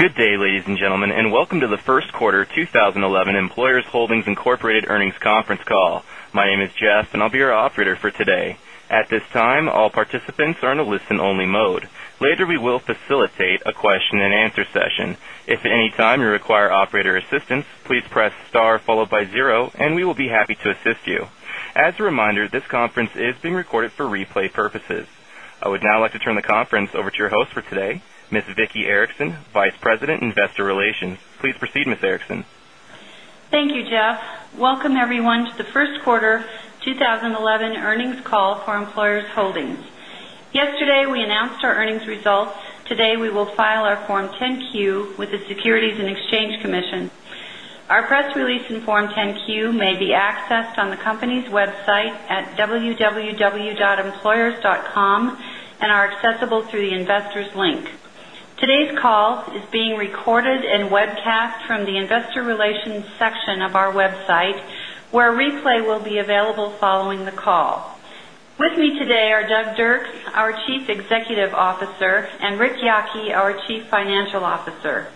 Good day, ladies and gentlemen, and welcome to the first quarter 2011 Employers Holdings Incorporated earnings conference call. My name is Jeff and I'll be your operator for today. At this time, all participants are in a listen-only mode. Later, we will facilitate a question and answer session. If at any time you require operator assistance, please press star followed by zero and we will be happy to assist you. As a reminder, this conference is being recorded for replay purposes. I would now like to turn the conference over to your host for today, Ms. Vicki Erickson, Vice President, Investor Relations. Please proceed, Ms. Erickson. Thank you, Jeff. Welcome everyone to the first quarter 2011 earnings call for Employers Holdings. Yesterday, we announced our earnings results. Today, we will file our Form 10-Q with the Securities and Exchange Commission. Our press release and Form 10-Q may be accessed on the company's website at www.employers.com and are accessible through the investors link. Today's call is being recorded and webcast from the investor relations section of our website, where a replay will be available following the call. With me today are Doug Dirks, our Chief Executive Officer, and Rick Yackee, our Chief Financial Officer.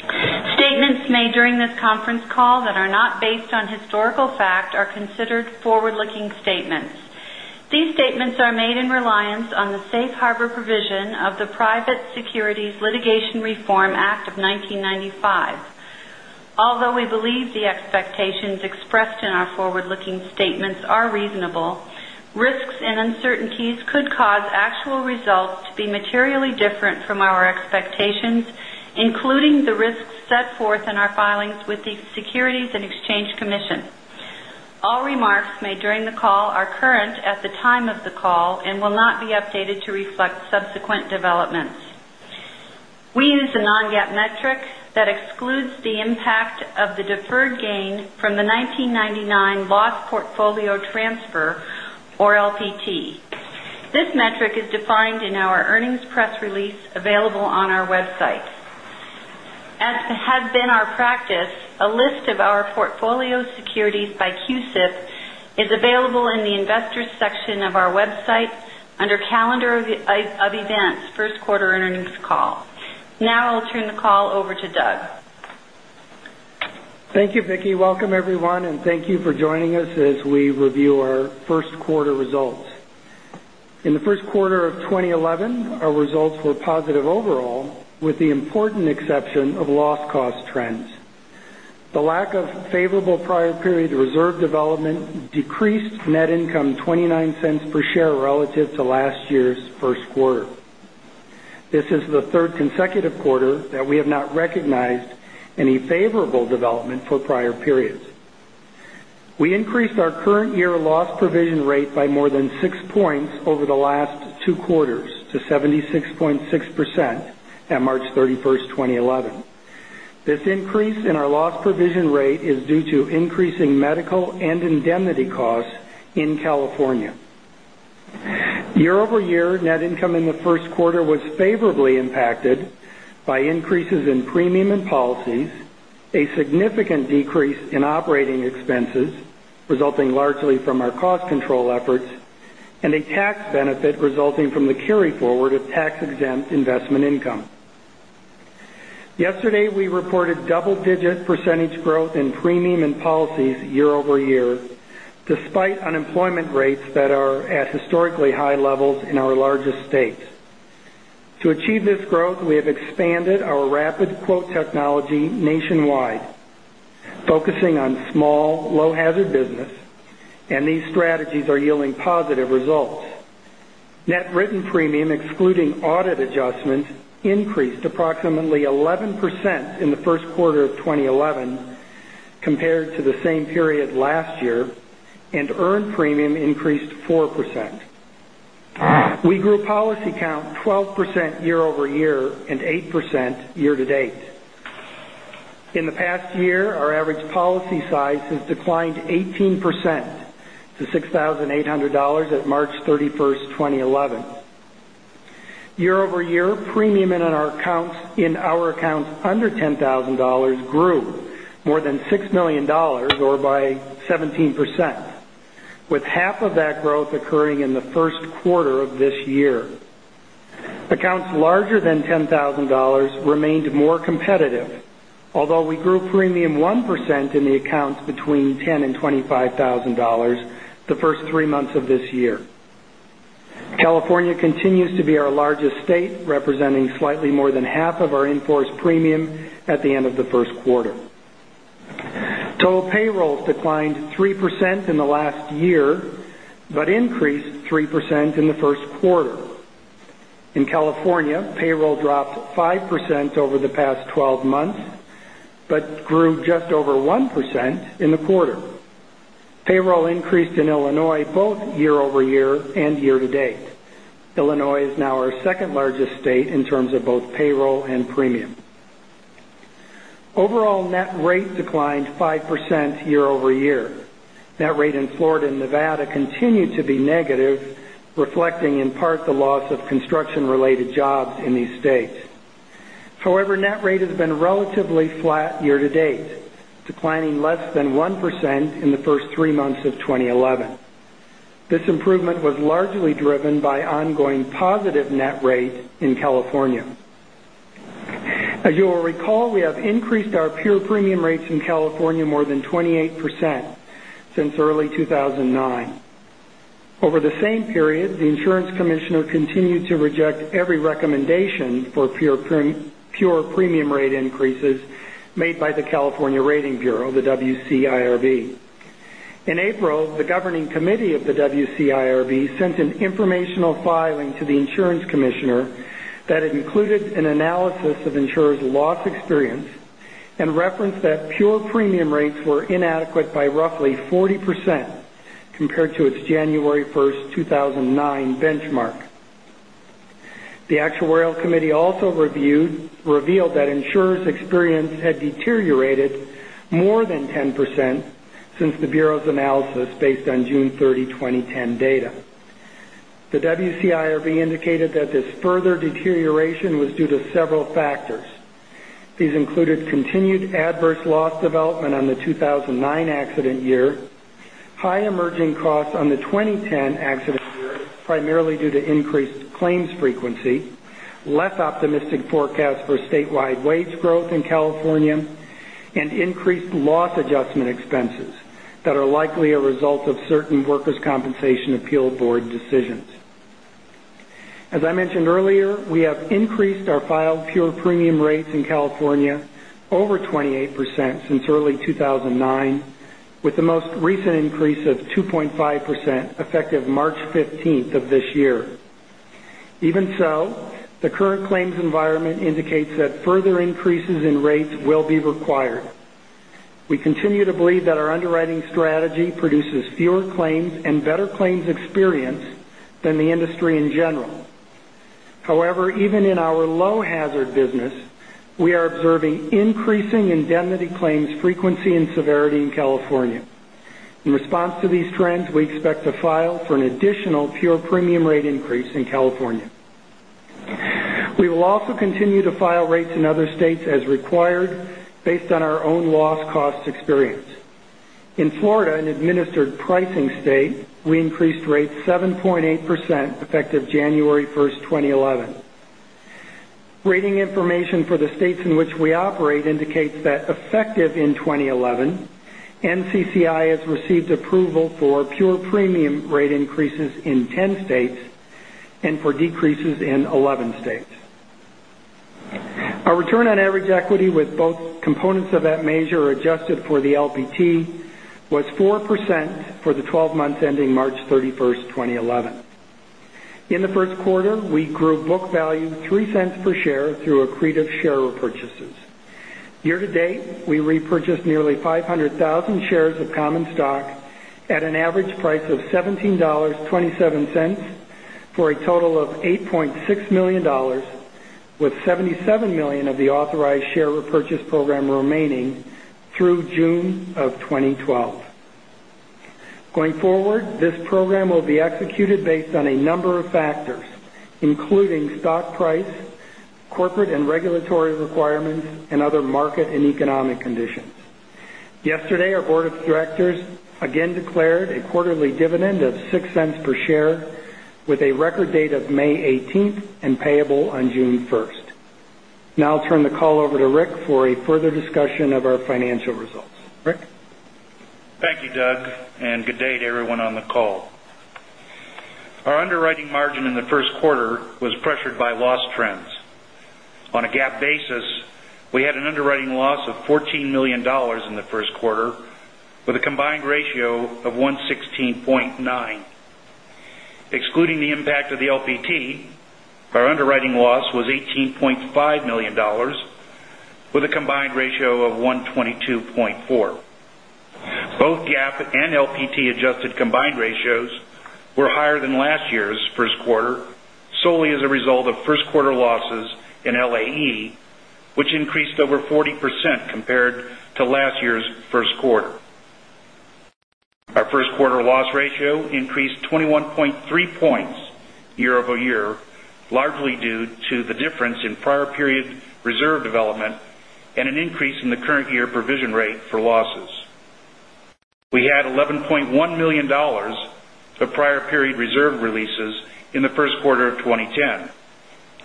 Statements made during this conference call that are not based on historical fact are considered forward-looking statements. These statements are made in reliance on the safe harbor provision of the Private Securities Litigation Reform Act of 1995. Although we believe the expectations expressed in our forward-looking statements are reasonable, risks and uncertainties could cause actual results to be materially different from our expectations, including the risks set forth in our filings with the Securities and Exchange Commission. All remarks made during the call are current at the time of the call and will not be updated to reflect subsequent developments. We use a non-GAAP metric that excludes the impact of the deferred gain from the 1999 Loss Portfolio Transfer, or LPT. This metric is defined in our earnings press release available on our website. As has been our practice, a list of our portfolio securities by CUSIP is available in the investors section of our website under calendar of events, first quarter earnings call. Now I'll turn the call over to Doug. Thank you, Vicki. Welcome everyone, and thank you for joining us as we review our first quarter results. In the first quarter of 2011, our results were positive overall, with the important exception of loss cost trends. The lack of favorable prior period reserve development decreased net income $0.29 per share relative to last year's first quarter. This is the third consecutive quarter that we have not recognized any favorable development for prior periods. We increased our current year loss provision rate by more than six points over the last two quarters to 76.6% at March 31st, 2011. This increase in our loss provision rate is due to increasing medical and indemnity costs in California. Year-over-year net income in the first quarter was favorably impacted by increases in premium and policies, a significant decrease in operating expenses resulting largely from our cost control efforts, and a tax benefit resulting from the carryforward of tax-exempt investment income. Yesterday, we reported double-digit percentage growth in premium and policies year-over-year, despite unemployment rates that are at historically high levels in our largest states. To achieve this growth, we have expanded our Rapid quote technology nationwide, focusing on small, low hazard business, and these strategies are yielding positive results. Net written premium, excluding audit adjustments, increased approximately 11% in the first quarter of 2011 compared to the same period last year, and earned premium increased 4%. We grew policy count 12% year-over-year and 8% year-to-date. In the past year, our average policy size has declined 18% to $6,800 at March 31st, 2011. Year-over-year premium in our accounts under $10,000 grew more than $6 million or by 17%, with half of that growth occurring in the first quarter of this year. Accounts larger than $10,000 remained more competitive, although we grew premium 1% in the accounts between $10,000 and $25,000 the first three months of this year. California continues to be our largest state, representing slightly more than half of our in-force premium at the end of the first quarter. Total payrolls declined 3% in the last year, but increased 3% in the first quarter. In California, payroll dropped 5% over the past 12 months, but grew just over 1% in the quarter. Payroll increased in Illinois both year-over-year and year-to-date. Illinois is now our second largest state in terms of both payroll and premium. Overall net rate declined 5% year-over-year. Net rate in Florida and Nevada continued to be negative, reflecting in part the loss of construction-related jobs in these states. However, net rate has been relatively flat year-to-date, declining less than 1% in the first three months of 2011. This improvement was largely driven by ongoing positive net rates in California. As you will recall, we have increased our pure premium rates in California more than 28% since early 2009. Over the same period, the insurance commissioner continued to reject every recommendation for pure premium rate increases made by the California Rating Bureau, the WCIRB. In April, the governing committee of the WCIRB sent an informational filing to the insurance commissioner that included an analysis of insurers' loss experience and referenced that pure premium rates were inadequate by roughly 40% compared to its January 1st, 2009 benchmark. The actuarial committee also revealed that insurers' experience had deteriorated more than 10% since the bureau's analysis, based on June 30, 2010 data. The WCIRB indicated that this further deterioration was due to several factors. These included continued adverse loss development on the 2009 accident year, high emerging costs on the 2010 accident year, primarily due to increased claims frequency, less optimistic forecast for statewide wage growth in California, and increased loss adjustment expenses that are likely a result of certain workers' compensation appeal board decisions. As I mentioned earlier, we have increased our filed pure premium rates in California over 28% since early 2009, with the most recent increase of 2.5% effective March 15th of this year. Even so, the current claims environment indicates that further increases in rates will be required. We continue to believe that our underwriting strategy produces fewer claims and better claims experience than the industry in general. However, even in our low-hazard business, we are observing increasing indemnity claims frequency and severity in California. In response to these trends, we expect to file for an additional pure premium rate increase in California. We will also continue to file rates in other states as required based on our own loss cost experience. In Florida, an administered pricing state, we increased rates 7.8% effective January 1st, 2011. Rating information for the states in which we operate indicates that effective in 2011, NCCI has received approval for pure premium rate increases in 10 states and for decreases in 11 states. Our return on average equity with both components of that measure adjusted for the LPT was 4% for the 12 months ending March 31st, 2011. In the first quarter, we grew book value $0.03 per share through accretive share repurchases. Year to date, we repurchased nearly 500,000 shares of common stock at an average price of $17.27 for a total of $8.6 million, with $77 million of the authorized share repurchase program remaining through June of 2012. Going forward, this program will be executed based on a number of factors, including stock price, corporate and regulatory requirements, and other market and economic conditions. Yesterday, our board of directors again declared a quarterly dividend of $0.06 per share with a record date of May 18th and payable on June 1st. Now I'll turn the call over to Rick for a further discussion of our financial results. Rick? Thank you, Doug, and good day to everyone on the call. Our underwriting margin in the first quarter was pressured by loss trends. On a GAAP basis, we had an underwriting loss of $14 million in the first quarter with a combined ratio of 116.9. Excluding the impact of the LPT, our underwriting loss was $18.5 million with a combined ratio of 122.4. Both GAAP and LPT adjusted combined ratios were higher than last year's first quarter, solely as a result of first quarter losses in LAE, which increased over 40% compared to last year's first quarter. Our first quarter loss ratio increased 21.3 points year-over-year, largely due to the difference in prior period reserve development and an increase in the current year provision rate for losses. We had $11.1 million of prior period reserve releases in the first quarter of 2010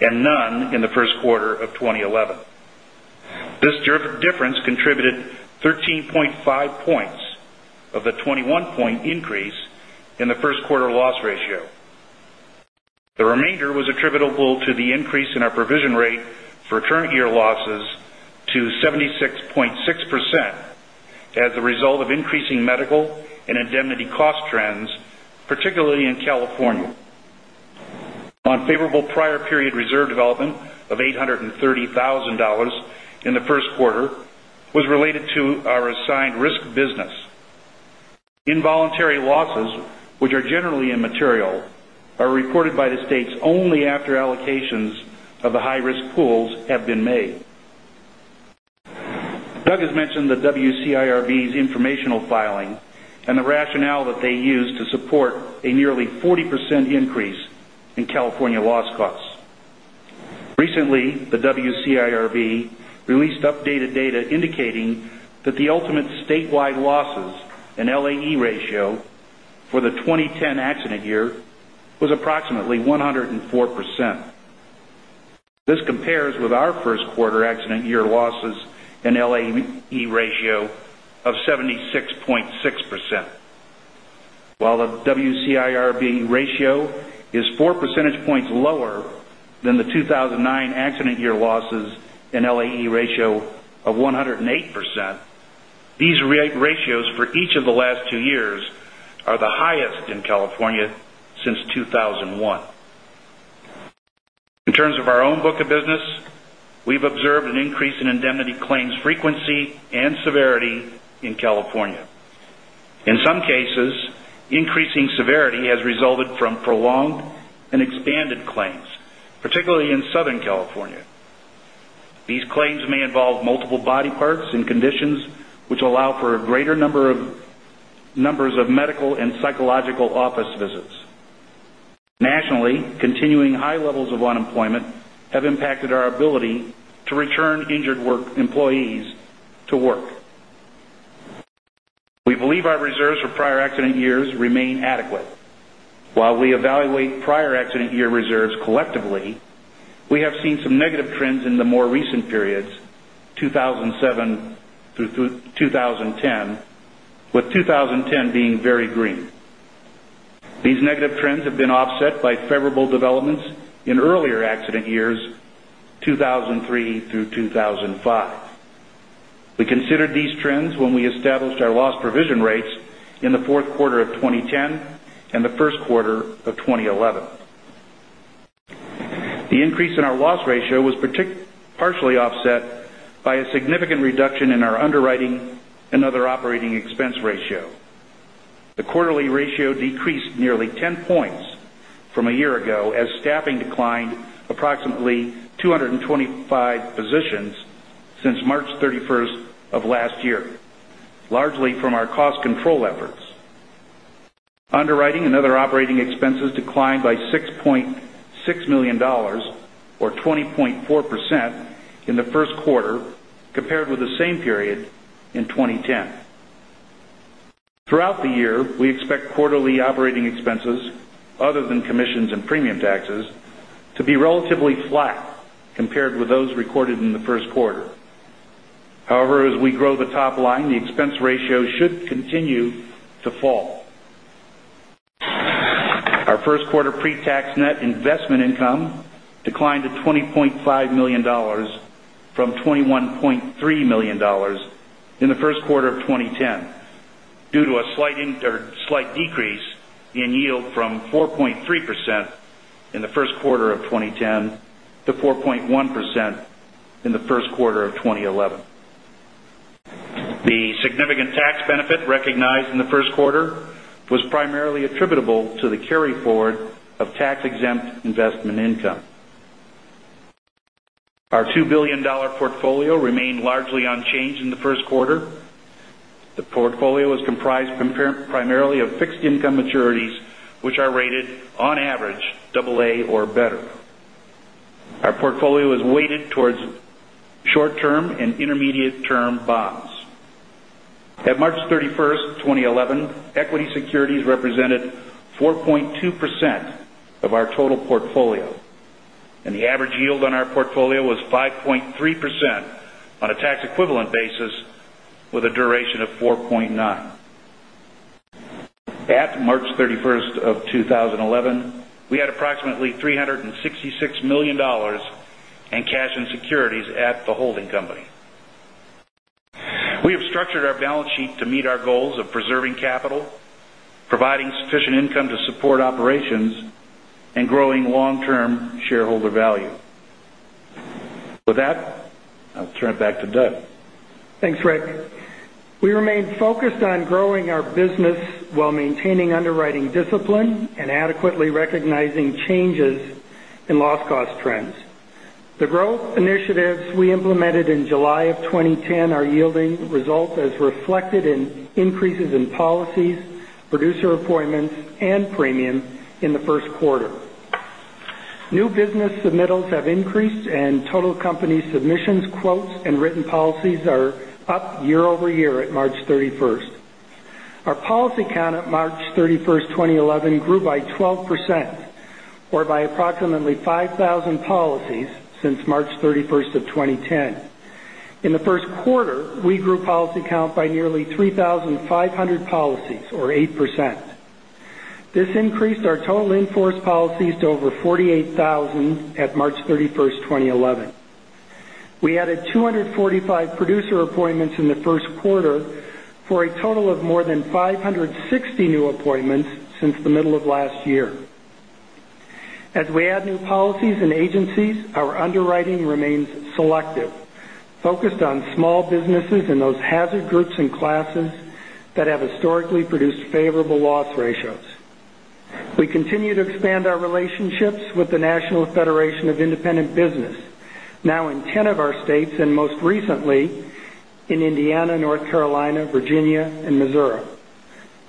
and none in the first quarter of 2011. This difference contributed 13.5 points of the 21-point increase in the first quarter loss ratio. The remainder was attributable to the increase in our provision rate for current year losses to 76.6% as a result of increasing medical and indemnity cost trends, particularly in California. Unfavorable prior period reserve development of $830,000 in the first quarter was related to our assigned risk business. Involuntary losses, which are generally immaterial, are reported by the states only after allocations of the high-risk pools have been made. Doug has mentioned the WCIRB's informational filing and the rationale that they used to support a nearly 40% increase in California loss costs. Recently, the WCIRB released updated data indicating that the ultimate statewide losses and LAE ratio for the 2010 accident year was approximately 104%. This compares with our first quarter accident year losses and LAE ratio of 76.6%. While the WCIRB ratio is four percentage points lower than the 2009 accident year losses and LAE ratio of 108%, these ratios for each of the last two years are the highest in California since 2001. In terms of our own book of business, we've observed an increase in indemnity claims frequency and severity in California. In some cases, increasing severity has resulted from prolonged and expanded claims, particularly in Southern California. These claims may involve multiple body parts and conditions which allow for greater numbers of medical and psychological office visits. Nationally, continuing high levels of unemployment have impacted our ability to return injured employees to work. We believe our reserves for prior accident years remain adequate. While we evaluate prior accident year reserves collectively, we have seen some negative trends in the more recent periods, 2007 through 2010, with 2010 being very green. These negative trends have been offset by favorable developments in earlier accident years, 2003 through 2005. We considered these trends when we established our loss provision rates in the fourth quarter of 2010 and the first quarter of 2011. The increase in our loss ratio was partially offset by a significant reduction in our underwriting and other operating expense ratio. The quarterly ratio decreased nearly 10 points from a year ago as staffing declined approximately 225 positions since March 31st of last year, largely from our cost control efforts. Underwriting and other operating expenses declined by $6.6 million, or 20.4%, in the first quarter compared with the same period in 2010. Throughout the year, we expect quarterly operating expenses, other than commissions and premium taxes, to be relatively flat compared with those recorded in the first quarter. However, as we grow the top line, the expense ratio should continue to fall. Our first quarter pre-tax net investment income declined to $20.5 million from $21.3 million in the first quarter of 2010 due to a slight decrease in yield from 4.3% in the first quarter of 2010 to 4.1% in the first quarter of 2011. The significant tax benefit recognized in the first quarter was primarily attributable to the carry-forward of tax-exempt investment income. Our $2 billion portfolio remained largely unchanged in the first quarter. The portfolio is comprised primarily of fixed income maturities, which are rated on average A or better. Our portfolio is weighted towards short-term and intermediate-term bonds. At March 31st, 2011, equity securities represented 4.2% of our total portfolio, and the average yield on our portfolio was 5.3% on a tax-equivalent basis with a duration of 4.9. At March 31st of 2011, we had approximately $366 million in cash and securities at the holding company. We have structured our balance sheet to meet our goals of preserving capital, providing sufficient income to support operations, and growing long-term shareholder value. With that, I'll turn it back to Doug. Thanks, Rick. We remain focused on growing our business while maintaining underwriting discipline and adequately recognizing changes in loss cost trends. The growth initiatives we implemented in July of 2010 are yielding results as reflected in increases in policies, producer appointments, and premium in the first quarter. New business submittals have increased, and total company submissions, quotes, and written policies are up year over year at March 31st. Our policy count at March 31st, 2011, grew by 12%, or by approximately 5,000 policies since March 31st of 2010. In the first quarter, we grew policy count by nearly 3,500 policies or 8%. This increased our total in-force policies to over 48,000 at March 31st, 2011. We added 245 producer appointments in the first quarter for a total of more than 560 new appointments since the middle of last year. As we add new policies and agencies, our underwriting remains selective, focused on small businesses and those hazard groups and classes that have historically produced favorable loss ratios. We continue to expand our relationships with the National Federation of Independent Business, now in 10 of our states, and most recently in Indiana, North Carolina, Virginia, and Missouri.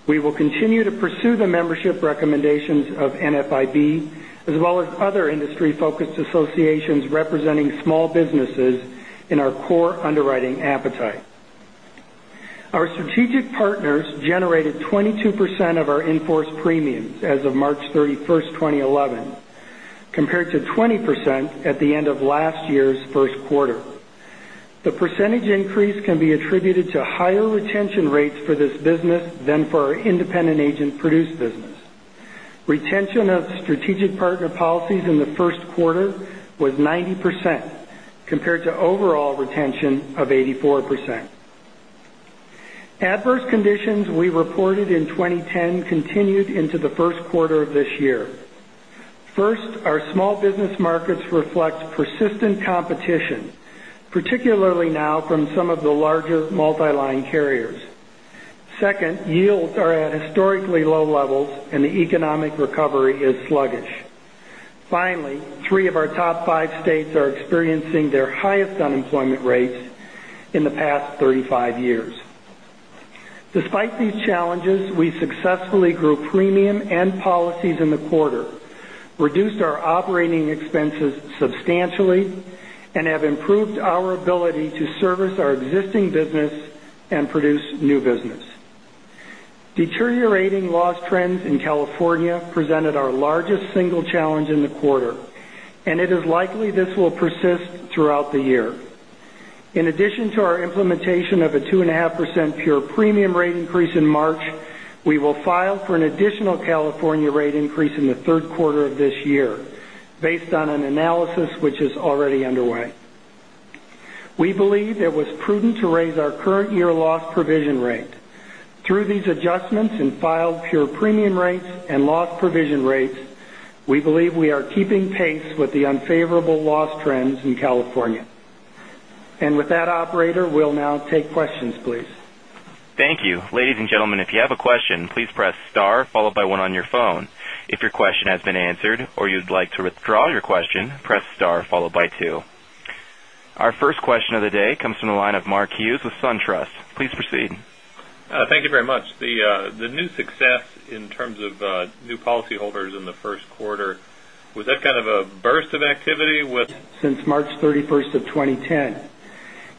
We will continue to pursue the membership recommendations of NFIB, as well as other industry-focused associations representing small businesses in our core underwriting appetite. Our strategic partners generated 22% of our in-force premiums as of March 31st, 2011, compared to 20% at the end of last year's first quarter. The percentage increase can be attributed to higher retention rates for this business than for our independent agent-produced business. Retention of strategic partner policies in the first quarter was 90%, compared to overall retention of 84%. Adverse conditions we reported in 2010 continued into the first quarter of this year. First, our small business markets reflect persistent competition, particularly now from some of the larger multi-line carriers. Second, yields are at historically low levels and the economic recovery is sluggish. Finally, three of our top five states are experiencing their highest unemployment rates in the past 35 years. Despite these challenges, we successfully grew premium and policies in the quarter, reduced our operating expenses substantially, and have improved our ability to service our existing business and produce new business. Deteriorating loss trends in California presented our largest single challenge in the quarter, and it is likely this will persist throughout the year. In addition to our implementation of a 2.5% pure premium rate increase in March, we will file for an additional California rate increase in the third quarter of this year based on an analysis which is already underway. We believe it was prudent to raise our current year loss provision rate. Through these adjustments in filed pure premium rates and loss provision rates, we believe we are keeping pace with the unfavorable loss trends in California. With that, operator, we'll now take questions, please. Thank you. Ladies and gentlemen, if you have a question, please press star followed by one on your phone. If your question has been answered or you'd like to withdraw your question, press star followed by two. Our first question of the day comes from the line of Mark Hughes with SunTrust. Please proceed. Thank you very much. The new success in terms of new policyholders in the first quarter, was that kind of a burst of activity. Since March 31, 2010.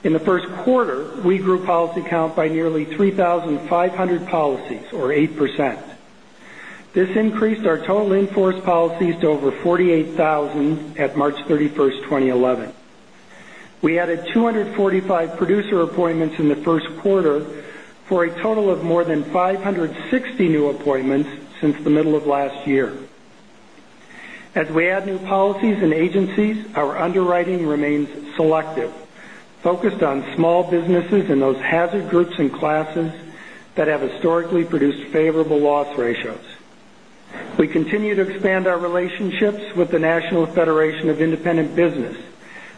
In the first quarter, we grew policy count by nearly 3,500 policies, or 8%. This increased our total in-force policies to over 48,000 at March 31, 2011. We added 245 producer appointments in the first quarter for a total of more than 560 new appointments since the middle of last year. As we add new policies and agencies, our underwriting remains selective, focused on small businesses and those hazard groups and classes that have historically produced favorable loss ratios. We continue to expand our relationships with the National Federation of Independent Business,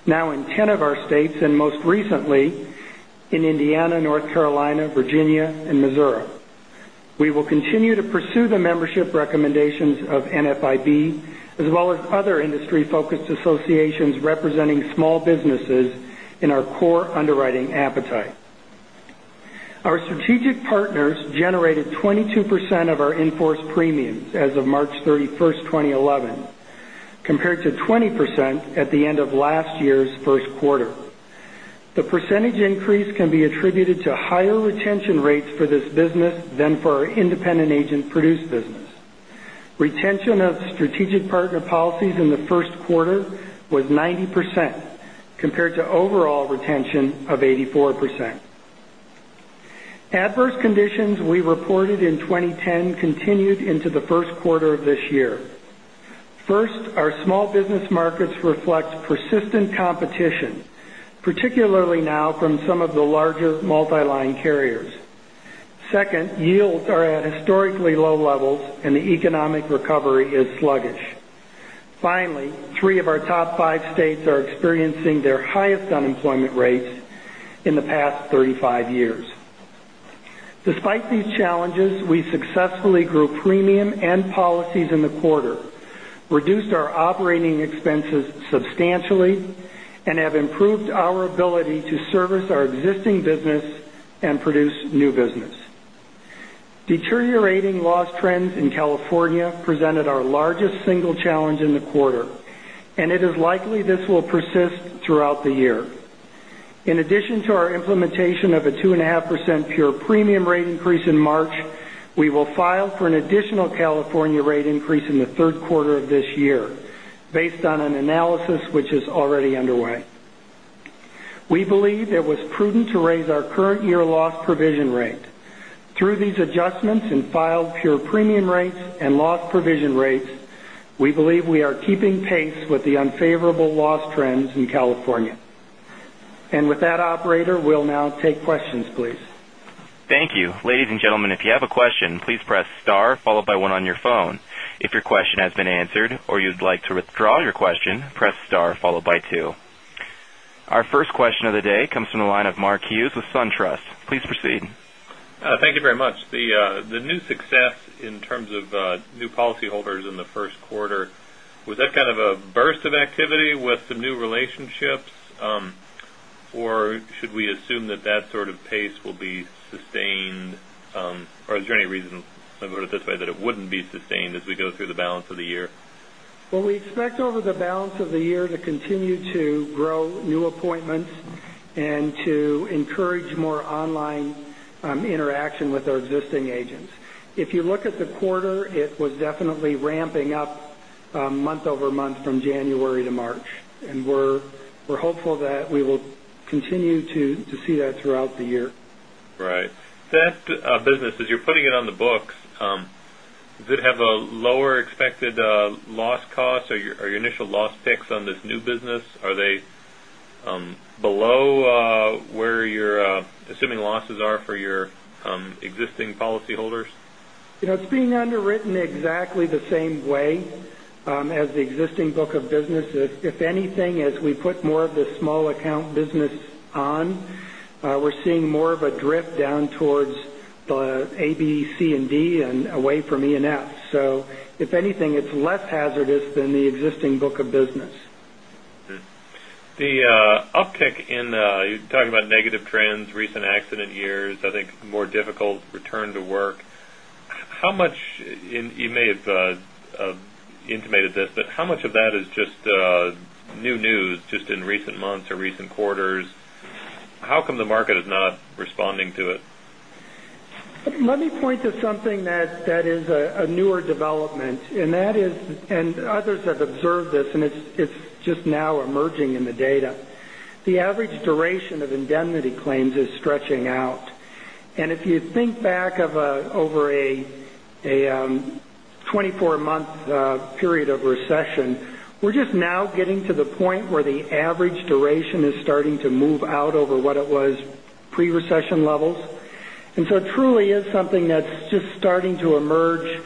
now in 10 of our states, and most recently in Indiana, North Carolina, Virginia and Missouri. We will continue to pursue the membership recommendations of NFIB as well as other industry-focused associations representing small businesses in our core underwriting appetite. Our strategic partners generated 22% of our in-force premiums as of March 31, 2011, compared to 20% at the end of last year's first quarter. The percentage increase can be attributed to higher retention rates for this business than for our independent agent-produced business. Retention of strategic partner policies in the first quarter was 90%, compared to overall retention of 84%. Adverse conditions we reported in 2010 continued into the first quarter of this year. First, our small business markets reflect persistent competition, particularly now from some of the larger multi-line carriers. Second, yields are at historically low levels and the economic recovery is sluggish. Finally, three of our top five states are experiencing their highest unemployment rates in the past 35 years. Despite these challenges, we successfully grew premium and policies in the quarter, reduced our operating expenses substantially, and have improved our ability to service our existing business and produce new business. Deteriorating loss trends in California presented our largest single challenge in the quarter, and it is likely this will persist throughout the year. In addition to our implementation of a 2.5% pure premium rate increase in March, we will file for an additional California rate increase in the third quarter of this year based on an analysis which is already underway. We believe it was prudent to raise our current year loss provision rate. Through these adjustments in filed pure premium rates and loss provision rates, we believe we are keeping pace with the unfavorable loss trends in California. With that, operator, we'll now take questions, please. Thank you. Ladies and gentlemen, if you have a question, please press star followed by one on your phone. If your question has been answered or you'd like to withdraw your question, press star followed by two. Our first question of the day comes from the line of Mark Hughes with SunTrust. Please proceed. Thank you very much. The new success in terms of new policyholders in the first quarter, was that kind of a burst of activity with some new relationships? Should we assume that that sort of pace will be sustained? Is there any reason, let me put it this way, that it wouldn't be sustained as we go through the balance of the year? Well, we expect over the balance of the year to continue to grow new appointments and to encourage more online interaction with our existing agents. If you look at the quarter, it was definitely ramping up month-over-month from January to March. We're hopeful that we will continue to see that throughout the year. Right. That business, as you're putting it on the books, does it have a lower expected loss cost? Are your initial loss picks on this new business, are they below where your assuming losses are for your existing policyholders? It's being underwritten exactly the same way as the existing book of business. If anything, as we put more of the small account business on, we're seeing more of a drift down towards the A, B, C, and D and away from E and F. If anything, it's less hazardous than the existing book of business. The uptick in, you talk about negative trends, recent accident years, I think more difficult return to work. You may have intimated this, but how much of that is just new news just in recent months or recent quarters? How come the market is not responding to it? Let me point to something that is a newer development. Others have observed this, and it's just now emerging in the data. The average duration of indemnity claims is stretching out. If you think back over a 24-month period of recession, we're just now getting to the point where the average duration is starting to move out over what it was pre-recession levels. It truly is something that's just starting to emerge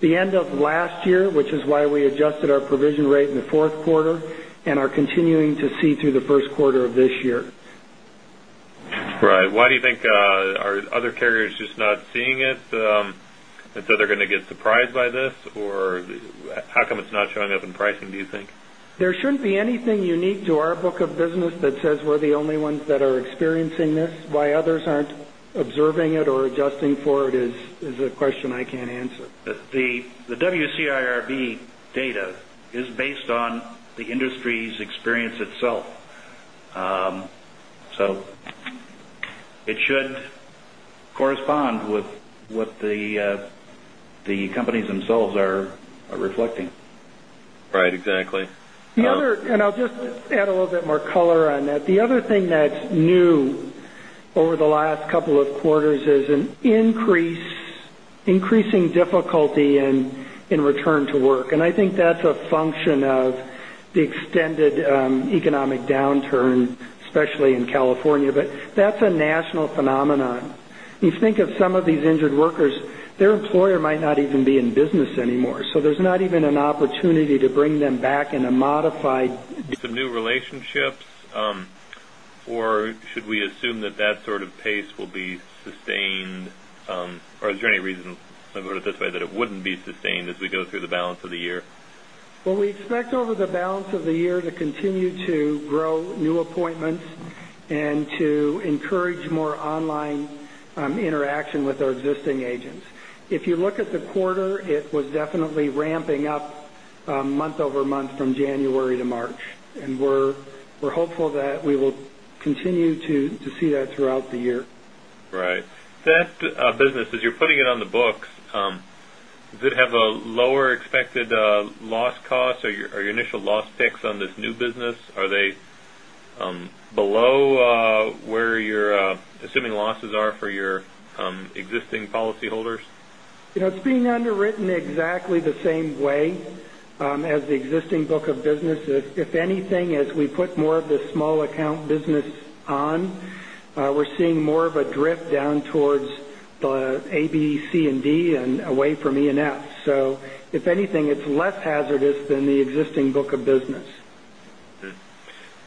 the end of last year, which is why we adjusted our provision rate in the fourth quarter and are continuing to see through the first quarter of this year. Right. Why do you think, are other carriers just not seeing it they're going to get surprised by this? How come it's not showing up in pricing, do you think? There shouldn't be anything unique to our book of business that says we're the only ones that are experiencing this. Why others aren't observing it or adjusting for it is a question I can't answer. The WCIRB data is based on the industry's experience itself. It should correspond with what the companies themselves are reflecting. Right. Exactly. I'll just add a little bit more color on that. The other thing that's new over the last couple of quarters is an increasing difficulty in return to work. I think that's a function of the extended economic downturn, especially in California, but that's a national phenomenon. You think of some of these injured workers, their employer might not even be in business anymore. There's not even an opportunity to bring them back. Some new relationships. Should we assume that that sort of pace will be sustained? Is there any reason, let me put it this way, that it wouldn't be sustained as we go through the balance of the year? Well, we expect over the balance of the year to continue to grow new appointments and to encourage more online interaction with our existing agents. If you look at the quarter, it was definitely ramping up month-over-month from January to March. We're hopeful that we will continue to see that throughout the year. Right. That business, as you're putting it on the books, does it have a lower expected loss cost? Are your initial loss picks on this new business, are they below where your assuming losses are for your existing policyholders? It's being underwritten exactly the same way as the existing book of business. If anything, as we put more of the small account business on, we're seeing more of a drift down towards the A, B, C, and D and away from E and F. If anything, it's less hazardous than the existing book of business.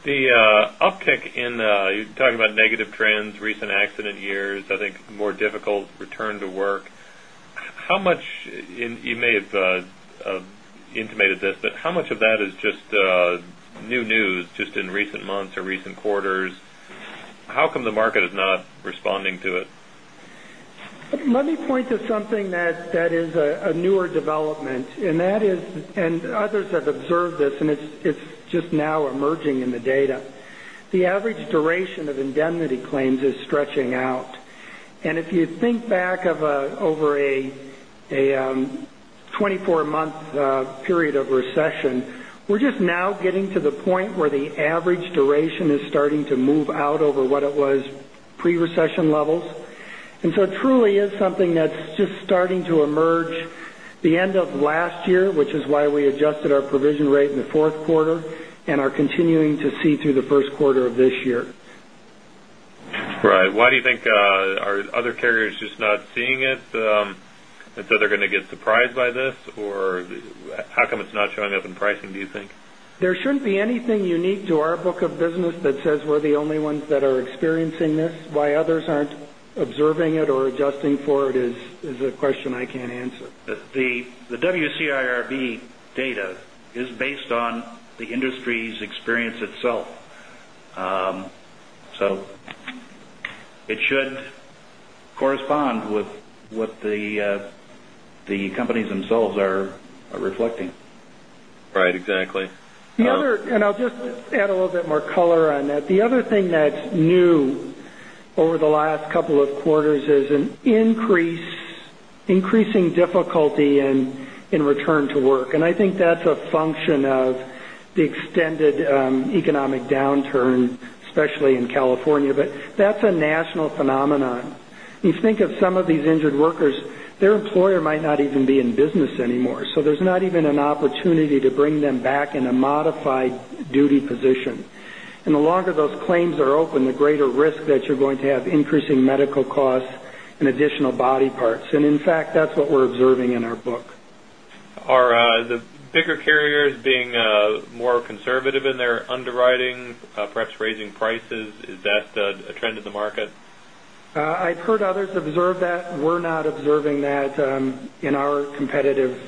The uptick in, you talk about negative trends, recent accident years, I think more difficult return to work. You may have intimated this, but how much of that is just new news just in recent months or recent quarters? How come the market is not responding to it? Let me point to something that is a newer development, others have observed this, and it's just now emerging in the data. The average duration of indemnity claims is stretching out. If you think back over a 24-month period of recession, we're just now getting to the point where the average duration is starting to move out over what it was pre-recession levels. It truly is something that's just starting to emerge the end of last year, which is why we adjusted our provision rate in the fourth quarter and are continuing to see through the first quarter of this year. Right. Why do you think, are other carriers just not seeing it they're going to get surprised by this? How come it's not showing up in pricing, do you think? There shouldn't be anything unique to our book of business that says we're the only ones that are experiencing this. Why others aren't observing it or adjusting for it is a question I can't answer. The WCIRB data is based on the industry's experience itself. It should correspond with what the companies themselves are reflecting. Right. Exactly. I'll just add a little bit more color on that. The other thing that's new over the last couple of quarters is an increasing difficulty in return to work. I think that's a function of the extended economic downturn, especially in California. That's a national phenomenon. You think of some of these injured workers, their employer might not even be in business anymore, so there's not even an opportunity to bring them back in a modified duty position. The longer those claims are open, the greater risk that you're going to have increasing medical costs and additional body parts. In fact, that's what we're observing in our book. Are the bigger carriers being more conservative in their underwriting, perhaps raising prices? Is that a trend in the market? I've heard others observe that. We're not observing that in our competitive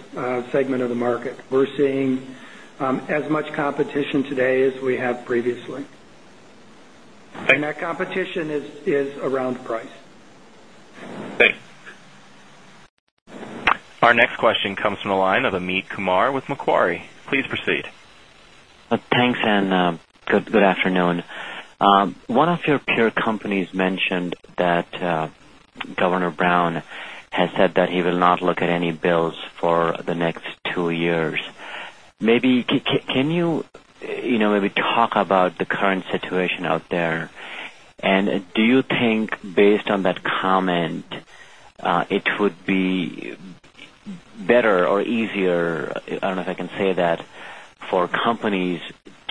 segment of the market. We're seeing as much competition today as we have previously. Thanks. That competition is around price. Thanks. Our next question comes from the line of Amit Kumar with Macquarie. Please proceed. Thanks, and good afternoon. One of your peer companies mentioned that Jerry Brown has said that he will not look at any bills for the next two years. Can you maybe talk about the current situation out there? Do you think, based on that comment, it would be better or easier, I don't know if I can say that, for companies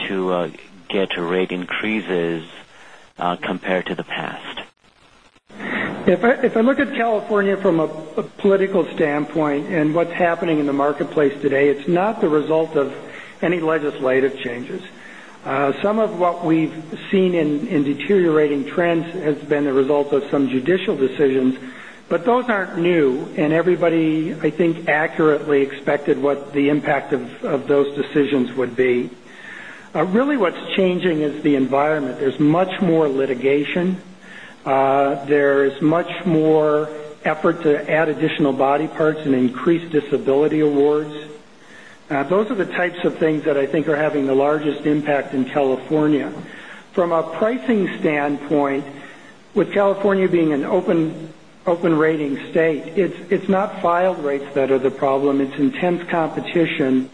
to get rate increases compared to the past? If I look at California from a political standpoint and what's happening in the marketplace today, it's not the result of any legislative changes. Some of what we've seen in deteriorating trends has been the result of some judicial decisions, but those aren't new, and everybody, I think, accurately expected what the impact of those decisions would be. Really what's changing is the environment. There's much more litigation. There's much more effort to add additional body parts and increase disability awards. Those are the types of things that I think are having the largest impact in California. From a pricing standpoint, with California being an open rating state, it's not filed rates that are the problem. It's intense competition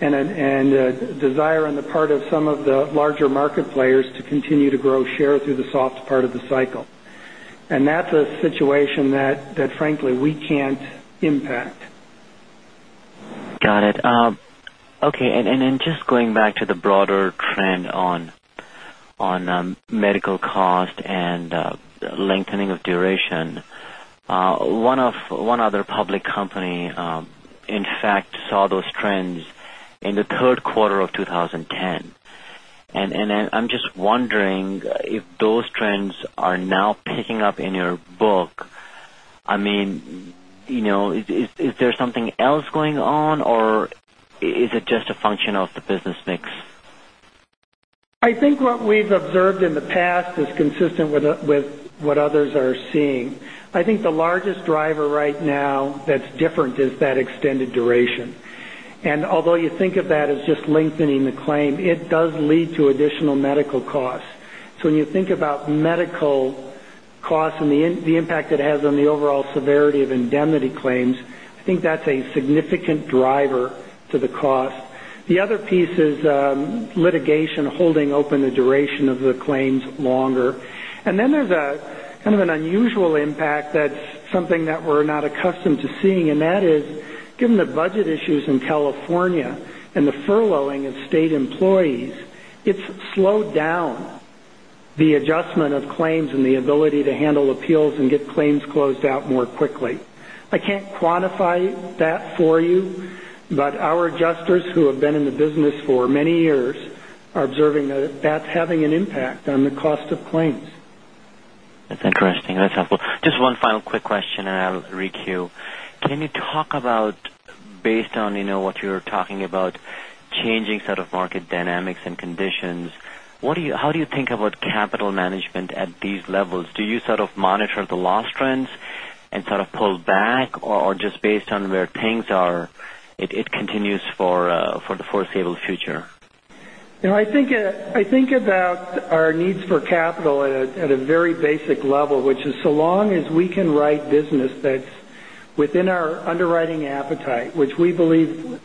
and a desire on the part of some of the larger market players to continue to grow share through the soft part of the cycle. That's a situation that frankly, we can't impact. Got it. Okay, just going back to the broader trend on medical cost and lengthening of duration. One other public company, in fact, saw those trends in the third quarter of 2010, and I'm just wondering if those trends are now picking up in your book. Is there something else going on, or is it just a function of the business mix? I think what we've observed in the past is consistent with what others are seeing. I think the largest driver right now that's different is that extended duration. given the budget issues in California and the furloughing of state employees, it's slowed down the adjustment of claims and the ability to handle appeals and get claims closed out more quickly. I can't quantify that for you, but our adjusters who have been in the business for many years are observing that that's having an impact on the cost of claims. That's interesting. That's helpful. Just one final quick question, I'll re-queue. Can you talk about, based on what you're talking about, changing set of market dynamics and conditions, how do you think about capital management at these levels? Do you sort of monitor the loss trends and sort of pull back, or just based on where things are, it continues for the foreseeable future? I think about our needs for capital at a very basic level, which is so long as we can write business that's within our underwriting appetite, which we believe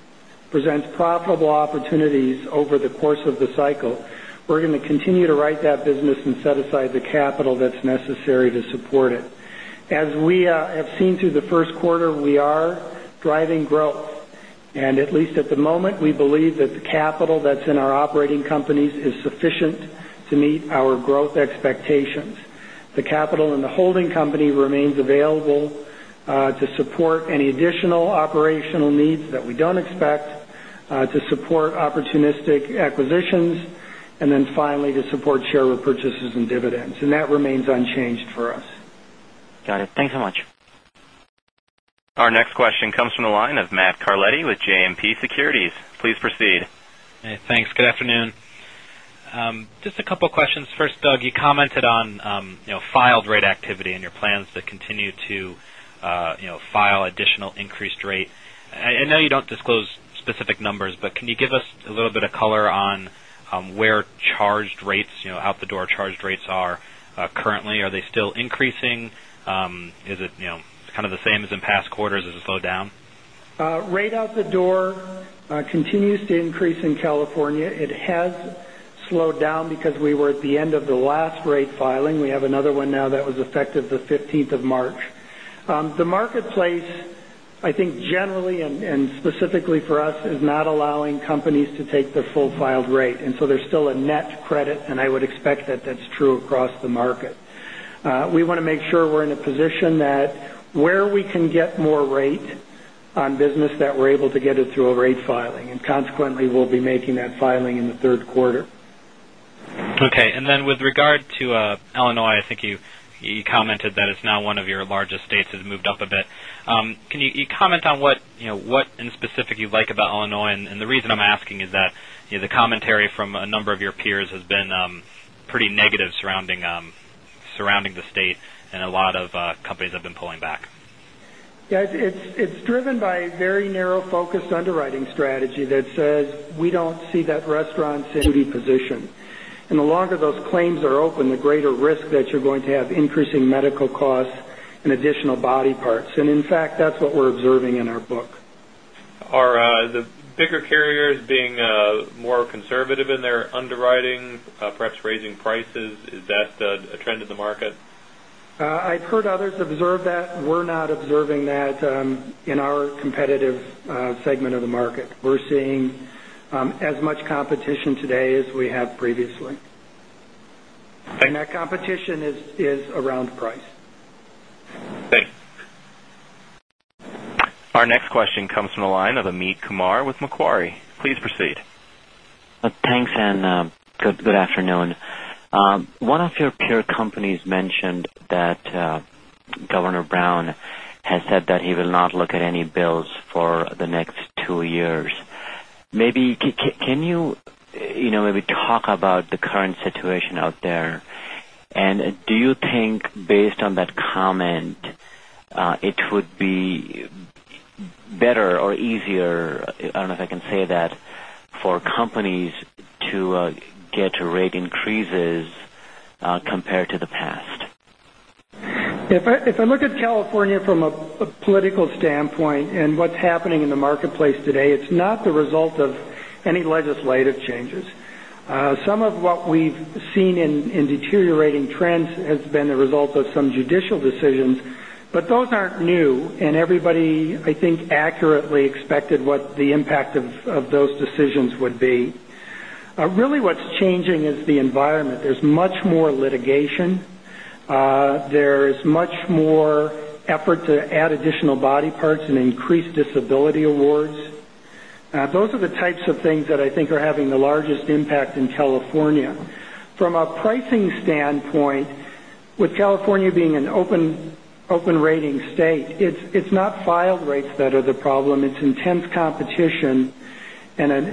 presents profitable opportunities over the course of the cycle, we're going to continue to write that business and set aside the capital that's necessary to support it. As we have seen through the first quarter, we are driving growth. At least at the moment, we believe that the capital that's in our operating companies is sufficient to meet our growth expectations. The capital in the holding company remains available to support any additional operational needs that we don't expect to support opportunistic acquisitions, finally, to support share repurchases and dividends. That remains unchanged for us. Got it. Thanks so much. Our next question comes from the line of Matthew Carletti with JMP Securities. Please proceed. Hey, thanks. Good afternoon. Just a couple of questions. First, Doug, you commented on filed rate activity and your plans to continue to file additional increased rate. I know you don't disclose specific numbers, but can you give us a little bit of color on where charged rates, out the door charged rates are currently? Are they still increasing? Is it kind of the same as in past quarters? Is it slowed down? Rate out the door continues to increase in California. It has slowed down because we were at the end of the last rate filing. We have another one now that was effective the 15th of March. The marketplace, I think generally and specifically for us, is not allowing companies to take their full filed rate, and so there's still a net credit, and I would expect that that's true across the market. We want to make sure we're in a position that where we can get more rate on business, that we're able to get it through a rate filing, and consequently, we'll be making that filing in the third quarter. Okay. With regard to Illinois, I think you commented that it's now one of your largest states, it has moved up a bit. Can you comment on what in specific you like about Illinois? The reason I'm asking is that the commentary from a number of your peers has been pretty negative surrounding the state, and a lot of companies have been pulling back. Yeah. It's driven by a very narrow, focused underwriting strategy that says we don't see that restaurants. Those years that have offset that, and we continue to believe that the collective adequacy of our prior reserves is unchanged I think you were just answering Matt's question, and I got the inference that you were sort of saying that it wasn't material. We'll call it any pluses to 2007 through 2010 were not all that material against the reductions for 2006 and prior. In answering my question, are the numbers a little bit bigger than my takeaway from hearing the last question answered? Actually, Doug, you sounded like maybe the pricing that you're getting is now, you think is keeping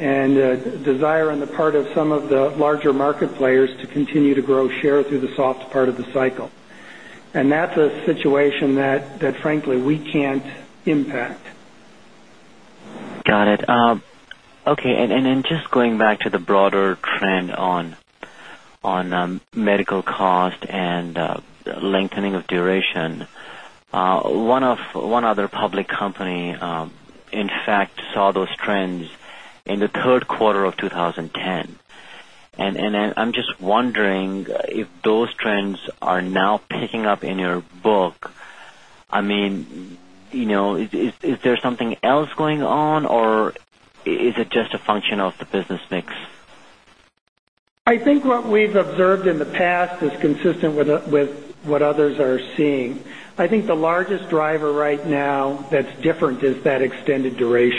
up with the loss cost trend. Did I hear that right? We're trying to make sure that our filings are consistent with what we're observing in the market. It's very difficult to get price across the board, and our focus is on getting the most rate we can on the best business we have in the books. We try to compete for new business and get more rate on the new business, but that is extremely difficult. Right. It looks like from the WCIRB data, the kind of the rate going to the street has been flat for a few years now. I think that kind of goes to your point where the competition's still pretty intense if you're still having a lot of companies that aren't really raising rates at all. I think that net rate is interesting. I suspect some portion of that is related to business mix in California, maybe with the decline in construction.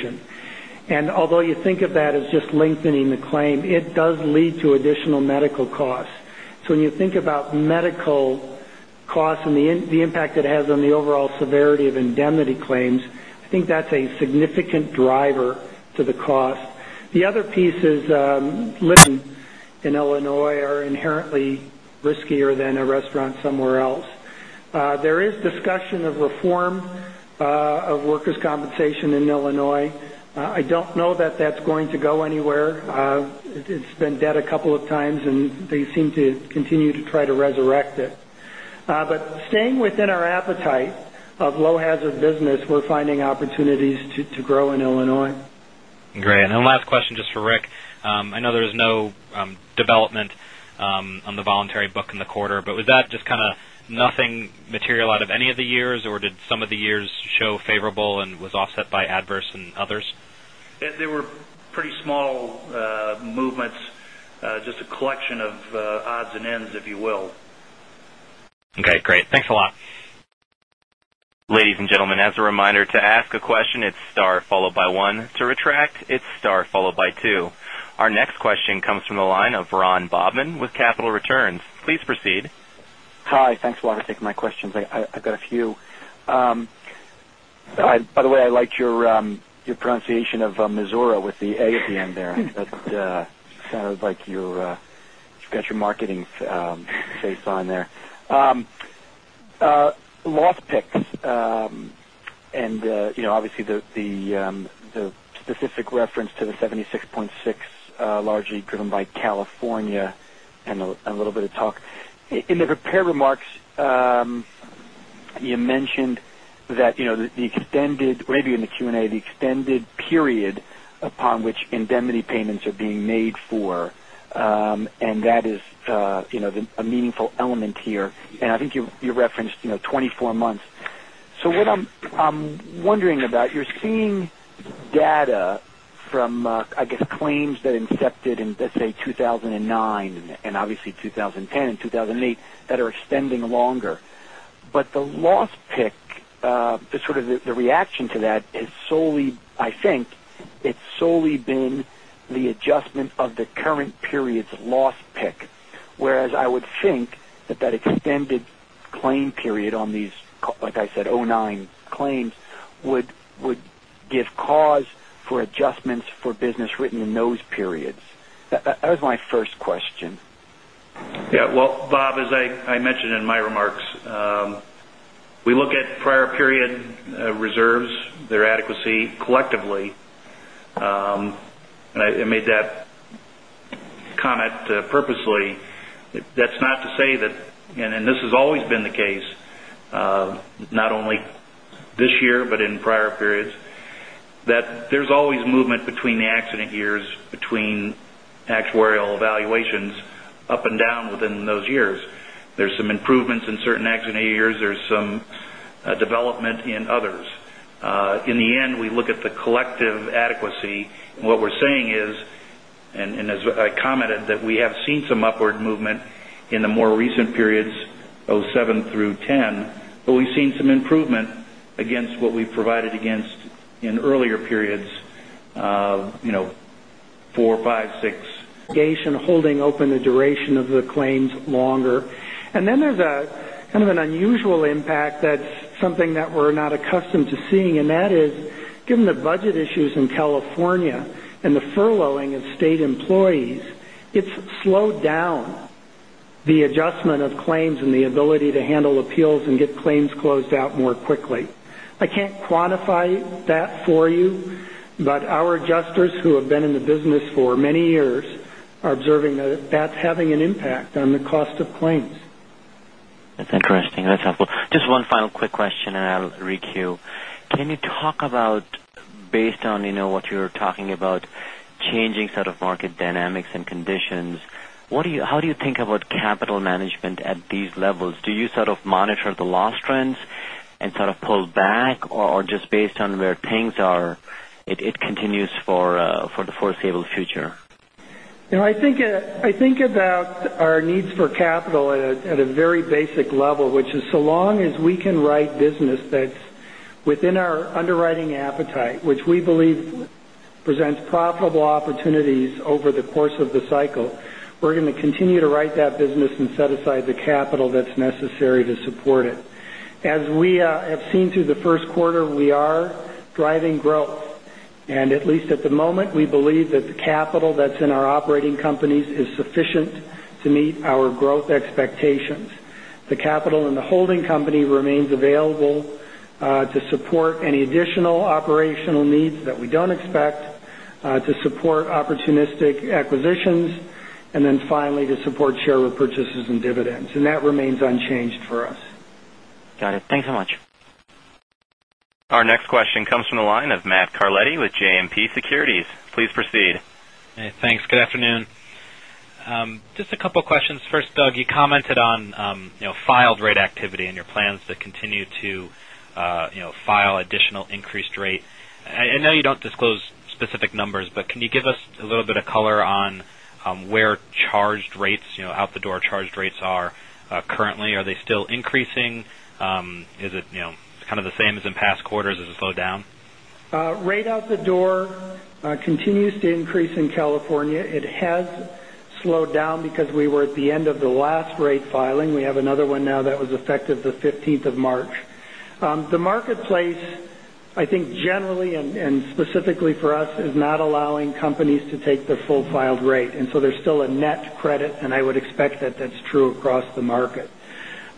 I think the Bureau put about 1.5% to that. I haven't seen anything just recently on that. Okay. What actions, if any, can you specifically take to control either frequency or severity trends? Can you give us an idea of maybe things that you can control? The focus on the severity side where we would have the most impact is really around E and F in Illinois are inherently riskier than a restaurant somewhere else. There is discussion of reform of workers' compensation in Illinois. I don't know that that's going to go anywhere. It's been dead a couple of times, and they seem to continue to try to resurrect it. Staying within our appetite of low hazard business, we're finding opportunities to grow in Illinois. Great. Last question just for Rick. I know there was no development on the voluntary book in the quarter, was that just kind of nothing material out of any of the years or did some of the years show favorable and was offset by adverse and others? There were pretty small movements, just a collection of odds and ends, if you will. Okay, great. Thanks a lot. Ladies and gentlemen, as a reminder, to ask a question, it's star followed by one. To retract, it's star followed by two. Our next question comes from the line of Ron Bobman with Capital Returns. Please proceed. Hi, thanks a lot for taking my questions. I've got a few. By the way, I liked your pronunciation of Missouri with the A at the end there. That sounded like you've got your marketing face on there. Loss picks, and obviously the specific reference to the 76.6, largely driven by California, and a little bit of talk. In the prepared remarks, you mentioned that the extended, maybe in the Q&A, the extended period upon which indemnity payments are being made for, and that is a meaningful element here. I think you referenced 24 months. What I'm wondering about, you're seeing data from, I guess, claims that incepted in, let's say, 2009 and obviously 2010 and 2008 that are extending longer. The loss pick, the sort of the reaction to that has solely, I think, it's solely been the adjustment of the current period's loss pick. Whereas I would think that that extended claim period on these, like I said, 2009 claims would give cause for adjustments for business written in those periods. That was my first question. Yeah. Well, Bob, as I mentioned in my remarks, we look at prior period reserves, their adequacy collectively. I made that comment purposely. That's not to say that, and this has always been the case, not only this year but in prior periods, that there's always movement between the accident years, between actuarial evaluations up and down within those years. There's some improvements in certain accident years. There's some development in others. In the end, we look at the collective adequacy, and what we're saying is, as I commented, that we have seen some upward movement in the more recent periods, 2007-2010, but we've seen some improvement against what we've provided against in earlier periods, 2004, 2005,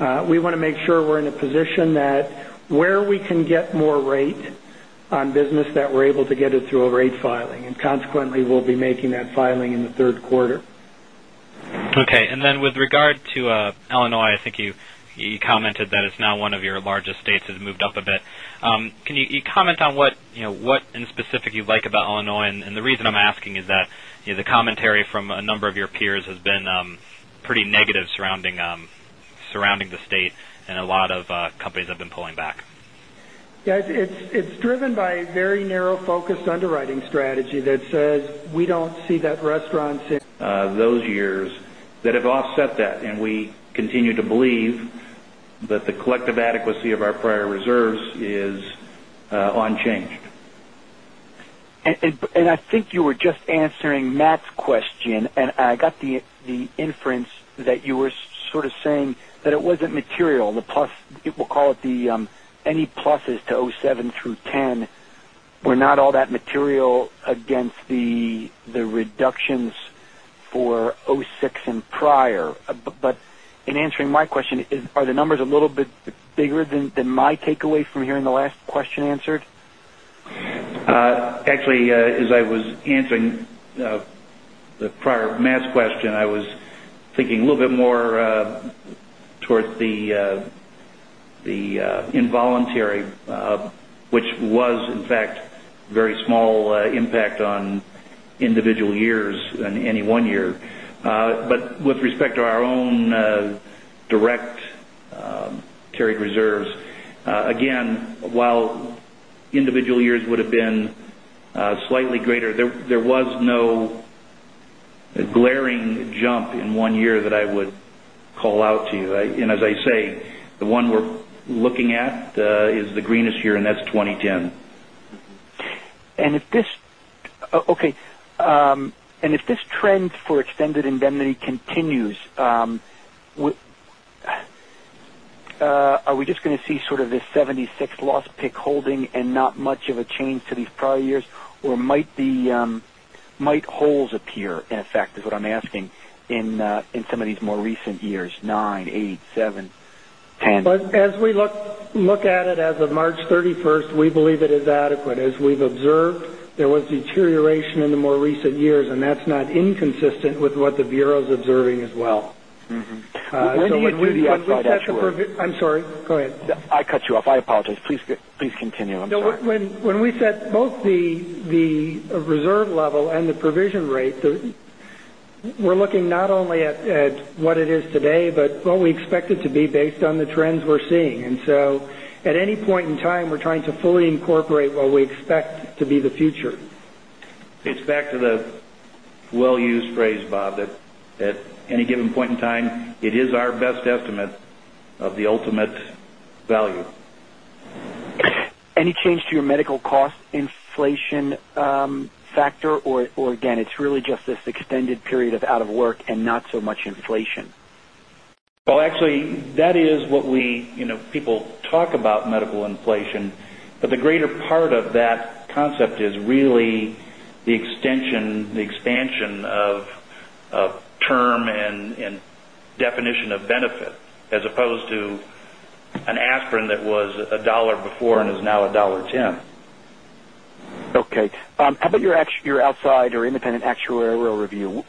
2006, those years that have offset that. We continue to believe that the collective adequacy of our prior reserves is unchanged. I think you were just answering Matt's question, and I got the inference that you were sort of saying that it wasn't material. We'll call it any pluses to 2007-2010 were not all that material against the reductions for 2006 and prior. In answering my question, are the numbers a little bit bigger than my takeaway from hearing the last question answered? Actually, as I was answering the prior Matt's question, I was thinking a little bit more towards the involuntary, which was, in fact, very small impact on individual years in any one year. With respect to our own direct carried reserves, again, while individual years would have been slightly greater, there was no glaring jump in one year that I would call out to you. As I say, the one we're looking at is the greenest year, and that's 2010. Okay. If this trend for extended indemnity continues, are we just going to see sort of this 76 loss pick holding and not much of a change to these prior years? Might holes appear, in effect, is what I'm asking in some of these more recent years, 2009, 2008, 2007, 2010? As we look at it as of March 31st, we believe it is adequate. As we've observed, there was deterioration in the more recent years, that's not inconsistent with what the Bureau's observing as well. What's the upside? I'm sorry, go ahead. I cut you off. I apologize. Please continue. I'm sorry. No, when we set both the reserve level and the provision rate, we're looking not only at what it is today, but what we expect it to be based on the trends we're seeing. At any point in time, we're trying to fully incorporate what we expect to be the future. It's back to the well-used phrase, Bob, that at any given point in time, it is our best estimate of the ultimate value. Any change to your medical cost inflation factor? Again, it's really just this extended period of out of work and not so much inflation. Well, actually, people talk about medical inflation, the greater part of that concept is really the extension, the expansion of term and definition of benefit as opposed to an aspirin that was $1 before and is now $1.10. Okay. How about your outside or independent actuarial review?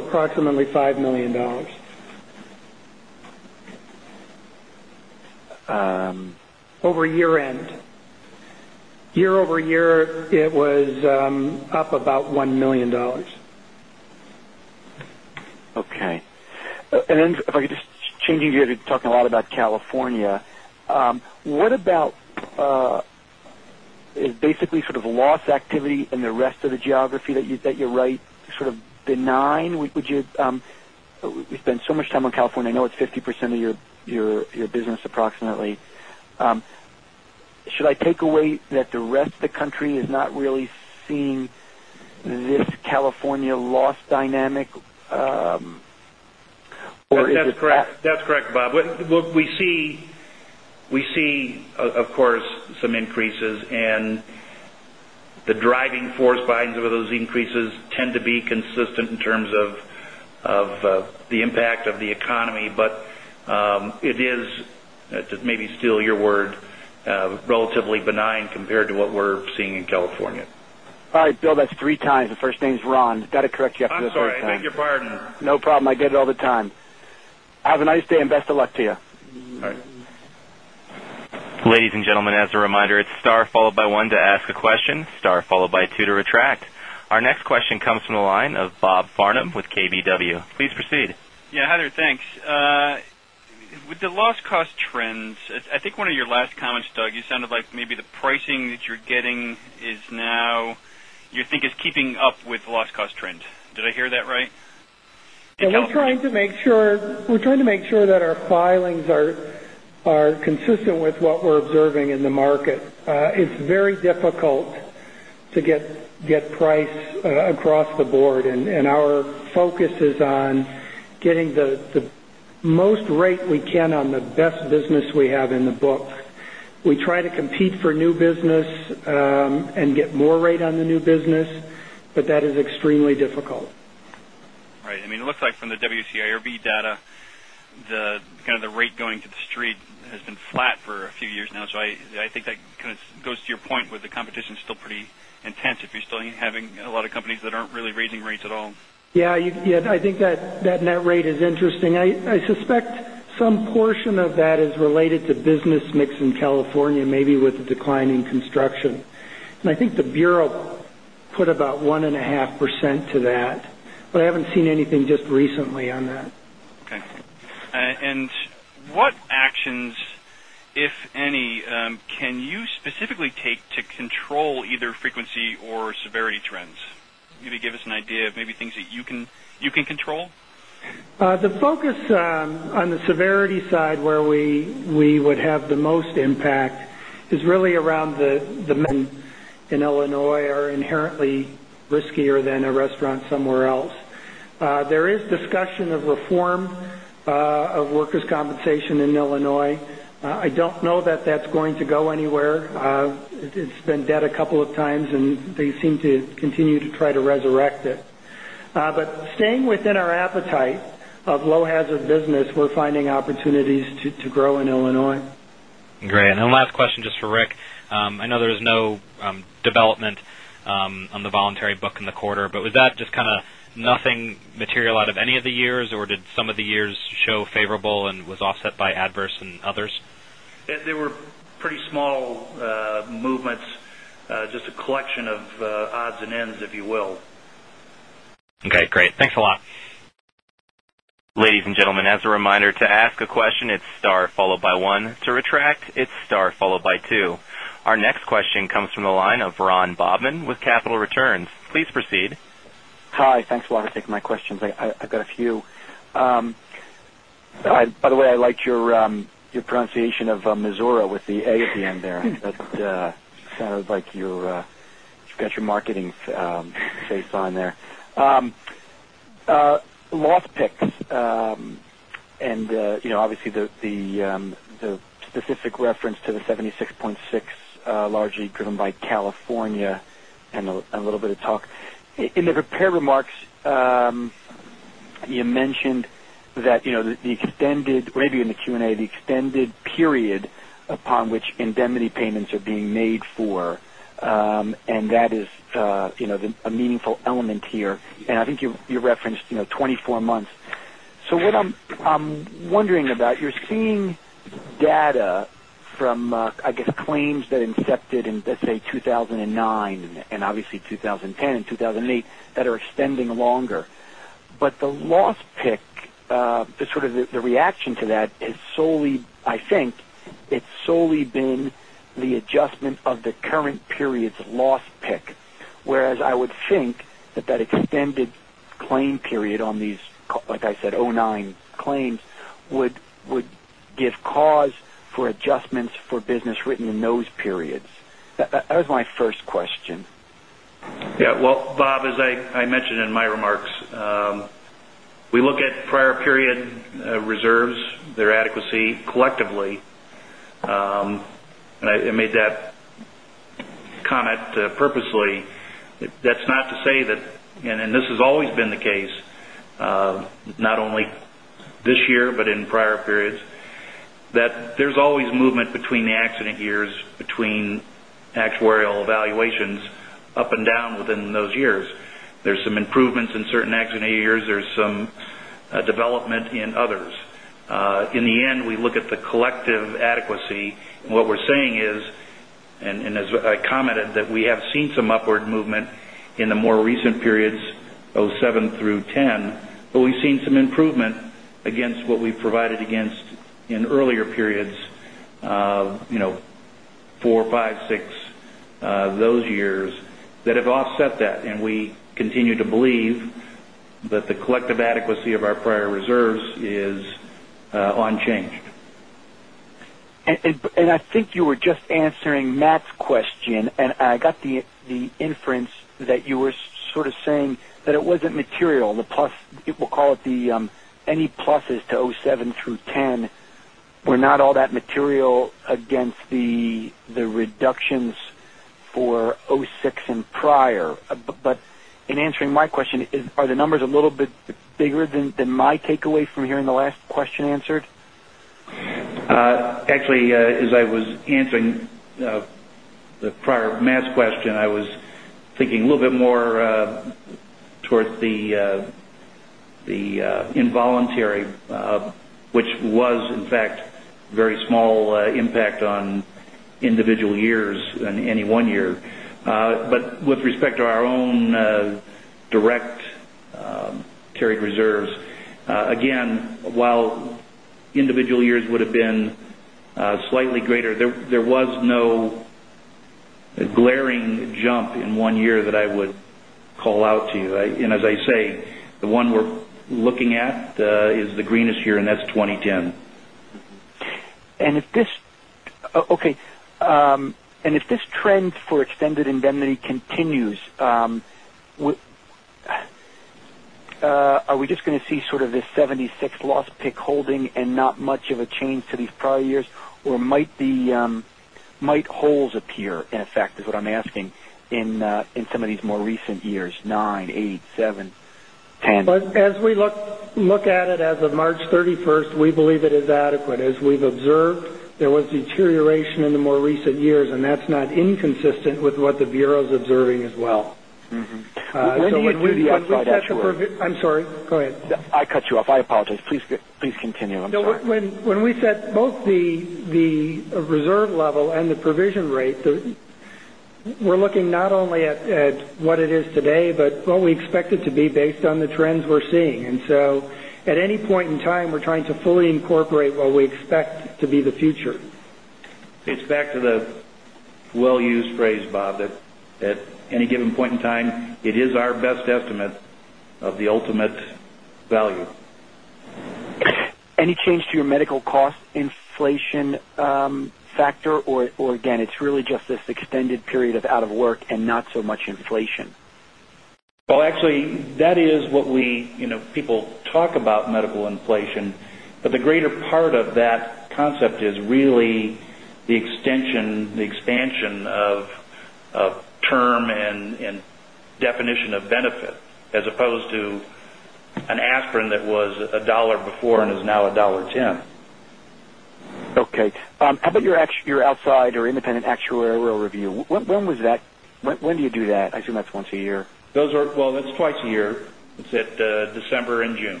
When do you do that? I assume that's once a year. Well, that's twice a year. It's at December and June.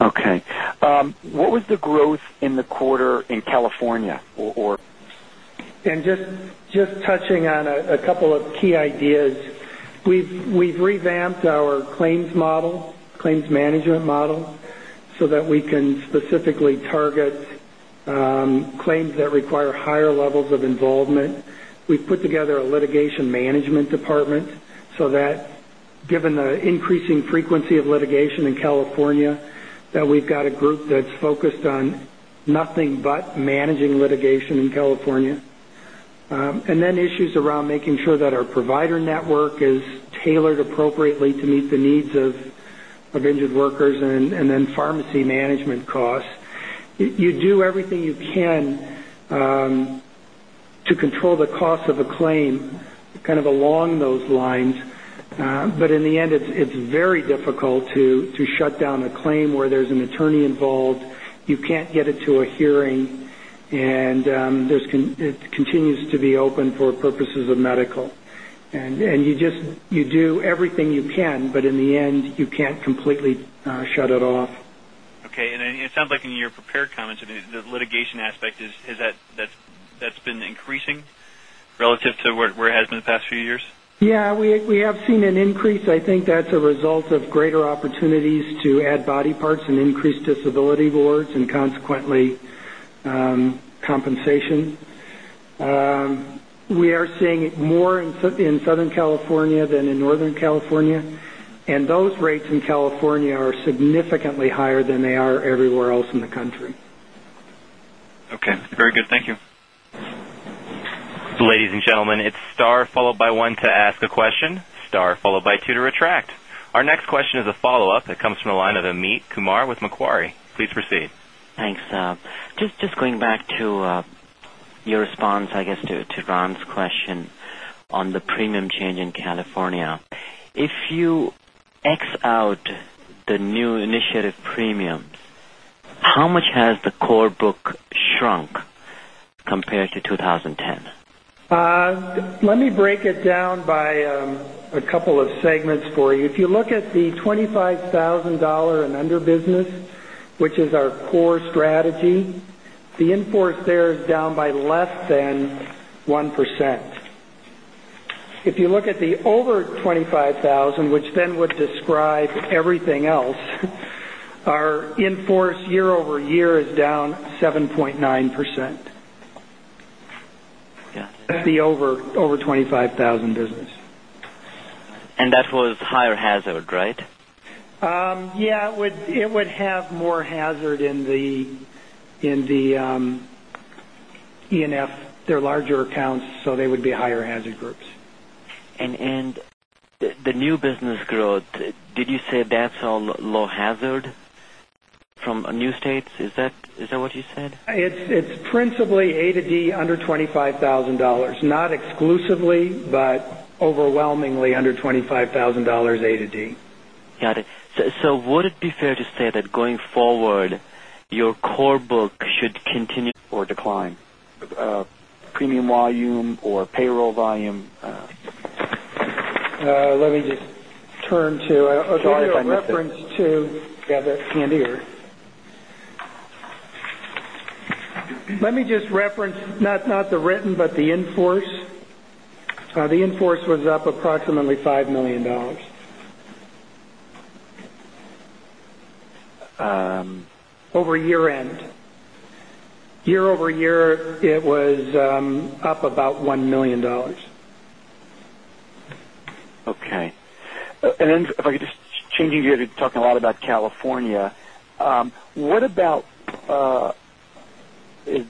Okay. What was the growth in the quarter in California? Just touching on a couple of key ideas. We've revamped our claims management model so that we can specifically target claims that require higher levels of involvement. We've put together a litigation management department so that given the increasing frequency of litigation in California, that we've got a group that's focused on nothing but managing litigation in California. Issues around making sure that our provider network is tailored appropriately to meet the needs of injured workers, and then pharmacy management costs. You do everything you can to control the cost of a claim kind of along those lines. In the end, it's very difficult to shut down a claim where there's an attorney involved. You can't get it to a hearing, and it continues to be open for purposes of medical. You do everything you can, but in the end, you can't completely shut it off. Okay. It sounds like in your prepared comments, the litigation aspect, that's been increasing relative to where it has been the past few years? Yeah, we have seen an increase. I think that's a result of greater opportunities to add body parts and increase disability awards and consequently, compensation. We are seeing it more in Southern California than in Northern California, and those rates in California are significantly higher than they are everywhere else in the country. Okay. Very good. Thank you. Ladies and gentlemen, it's star followed by one to ask a question, star followed by two to retract. Our next question is a follow-up. It comes from the line of Amit Kumar with Macquarie. Please proceed. Thanks. Just going back to your response, I guess, to Ron's question on the premium change in California. If you X out the new initiative premiums, how much has the core book shrunk compared to 2010? Let me break it down by a couple of segments for you. If you look at the $25,000 and under business, which is our core strategy, the in-force there is down by less than 1%. If you look at the over $25,000, which then would describe everything else, our in-force year-over-year is down 7.9%. Yeah. That'd be over $25,000 business. That was higher hazard, right? Yeah. It would have more hazard in the E and F. They're larger accounts, so they would be higher hazard groups. The new business growth, did you say that's all low hazard from new states? Is that what you said? It's principally A to D under $25,000. Not exclusively, but overwhelmingly under $25,000 A to D. Got it. Would it be fair to say that going forward, your core book should continue or decline premium volume or payroll volume? Let me just turn to. Sorry if I missed it. Let me reference to. Yeah, that's handy here. Let me just reference not the written, but the in-force. The in-force was up approximately $5 million over year-end. Year-over-year, it was up about $1 million. Okay. Then if I could just, changing gear to talk a lot about California. What about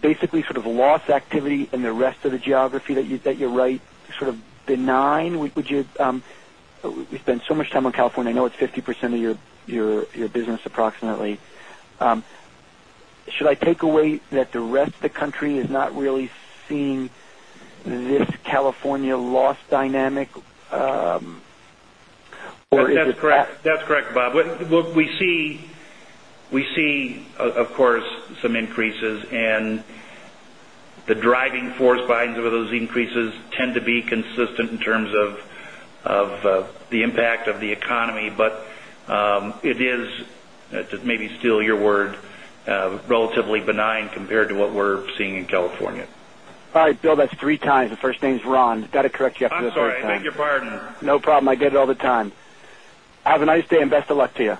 basically sort of loss activity in the rest of the geography that you write sort of benign? We spend so much time on California. I know it's 50% of your business, approximately. Should I take away that the rest of the country is not really seeing this California loss dynamic? That's correct, Bob. What we see, of course, some increases and the driving force behind some of those increases tend to be consistent in terms of the impact of the economy, it is, to maybe steal your word, relatively benign compared to what we're seeing in California. Bill, that's three times. The first name's Ron. Got to correct you after the third time. I'm sorry. I beg your pardon. No problem. I get it all the time. Have a nice day, and best of luck to you.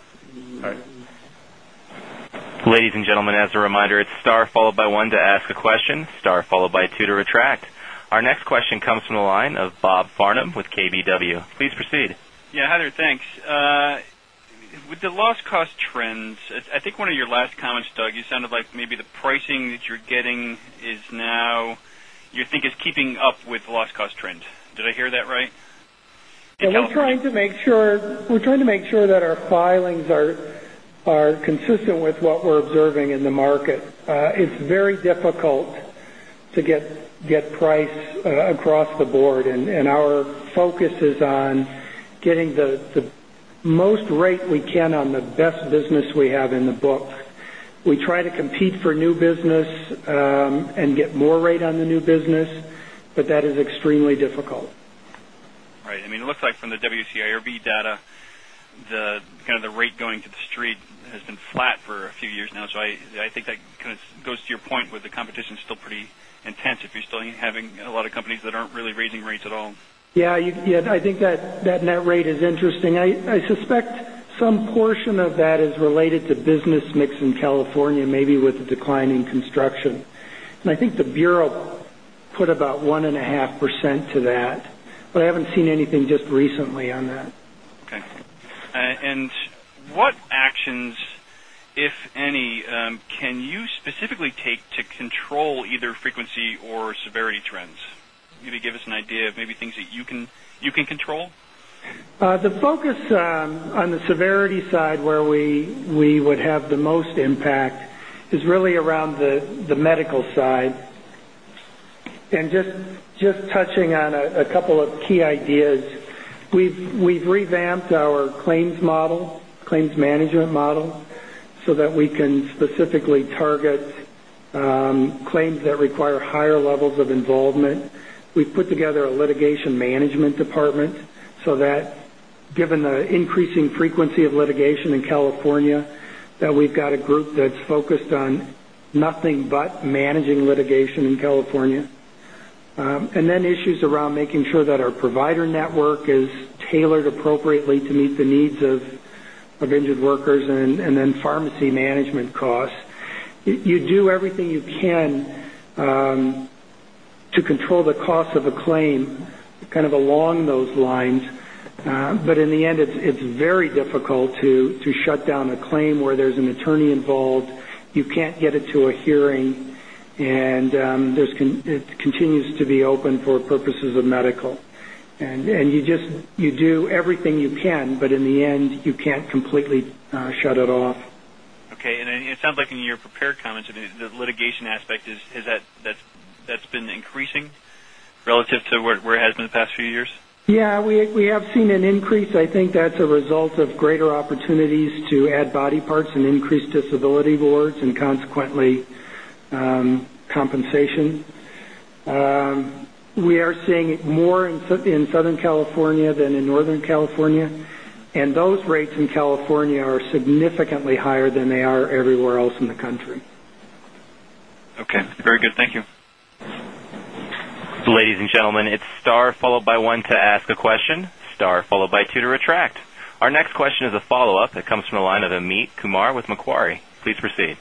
Ladies and gentlemen, it's star followed by one to ask a question, star followed by two to retract. Our next question is a follow-up that comes from the line of Amit Kumar with Macquarie. Please proceed.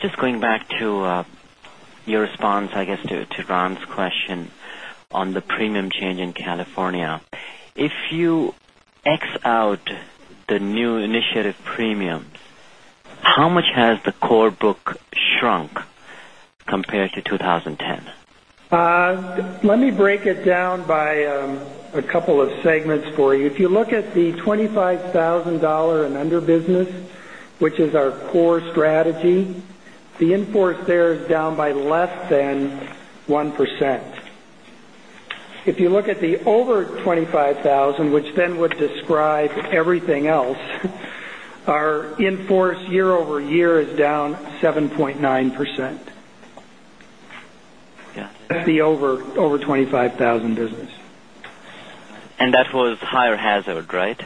Just going back to your response, I guess, to Ron's question on the premium change in California. If you X out the new initiative premiums, how much has the core book shrunk compared to 2010? Let me break it down by a couple of segments for you. If you look at the $25,000 and under business, which is our core strategy, the in-force there is down by less than 1%. If you look at the over $25,000, which would describe everything else, our in-force year-over-year is down 7.9%. Yeah. That'd be over $25,000 business. That was higher hazard, right?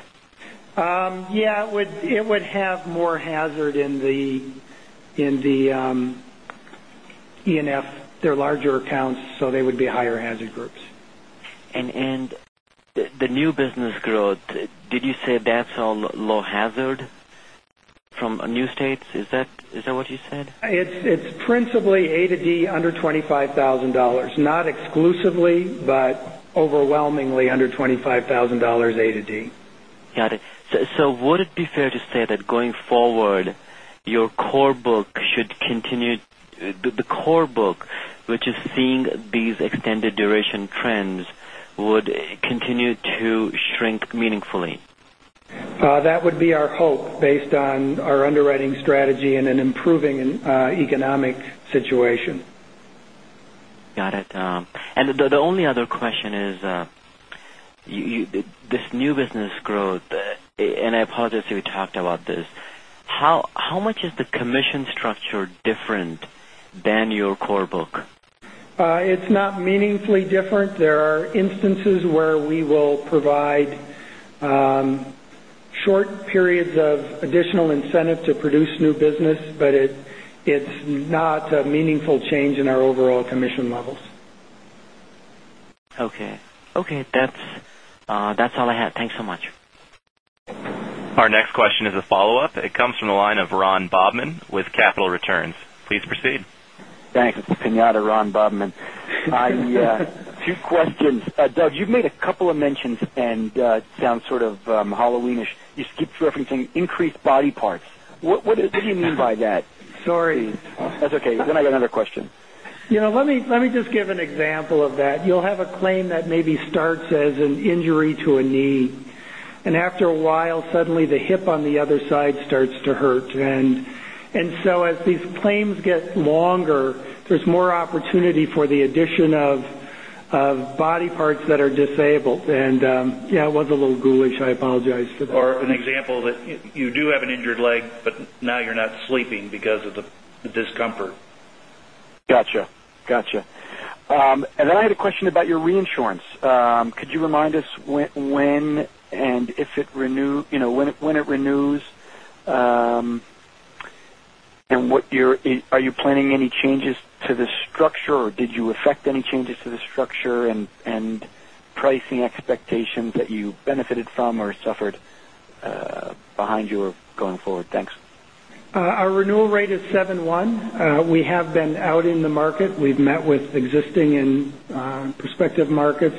Yeah. It would have more hazard in the ENF. They're larger accounts, they would be higher hazard groups. The new business growth, did you say that's all low hazard from new states? Is that what you said? It's principally A to D under $25,000. Not exclusively, but overwhelmingly under $25,000 A to D. Got it. Would it be fair to say that going forward, your core book, which is seeing these extended duration trends, would continue to shrink meaningfully? That would be our hope based on our underwriting strategy and an improving economic situation. Got it. The only other question is, this new business growth, and I apologize if you talked about this. How much is the commission structure different than your core book? It's not meaningfully different. There are instances where we will provide short periods of additional incentive to produce new business, it's not a meaningful change in our overall commission levels. Okay. That's all I had. Thanks so much. Our next question is a follow-up. It comes from the line of Ron Bobman with Capital Returns. Please proceed. Thanks. It's the piñata, Ron Bobman. Two questions. Doug, you've made a couple of mentions. It sounds sort of Halloween-ish. You keep referencing increased body parts. What do you mean by that? Sorry. That's okay. I got another question. Let me just give an example of that. You'll have a claim that maybe starts as an injury to a knee. After a while, suddenly the hip on the other side starts to hurt. As these claims get longer, there's more opportunity for the addition of body parts that are disabled. Yeah, it was a little ghoulish. I apologize for that. An example that you do have an injured leg, now you're not sleeping because of the discomfort. Got you. I had a question about your reinsurance. Could you remind us when it renews, and are you planning any changes to the structure, or did you effect any changes to the structure and pricing expectations that you benefited from or suffered behind you or going forward? Thanks. Our renewal rate is 7/1. We have been out in the market. We've met with existing and prospective markets.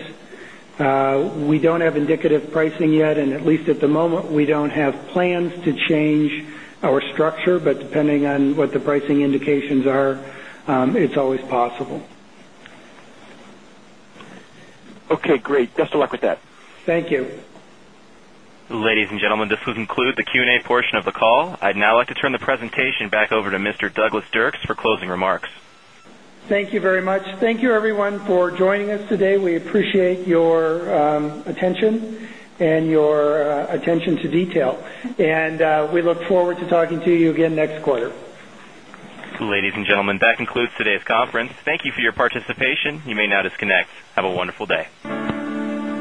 We don't have indicative pricing yet, and at least at the moment, we don't have plans to change our structure, but depending on what the pricing indications are, it's always possible. Okay, great. Best of luck with that. Thank you. Ladies and gentlemen, this would conclude the Q&A portion of the call. I'd now like to turn the presentation back over to Mr. Douglas Dirks for closing remarks. Thank you very much. Thank you, everyone, for joining us today. We appreciate your attention and your attention to detail. We look forward to talking to you again next quarter. Ladies and gentlemen, that concludes today's conference. Thank you for your participation. You may now disconnect. Have a wonderful day.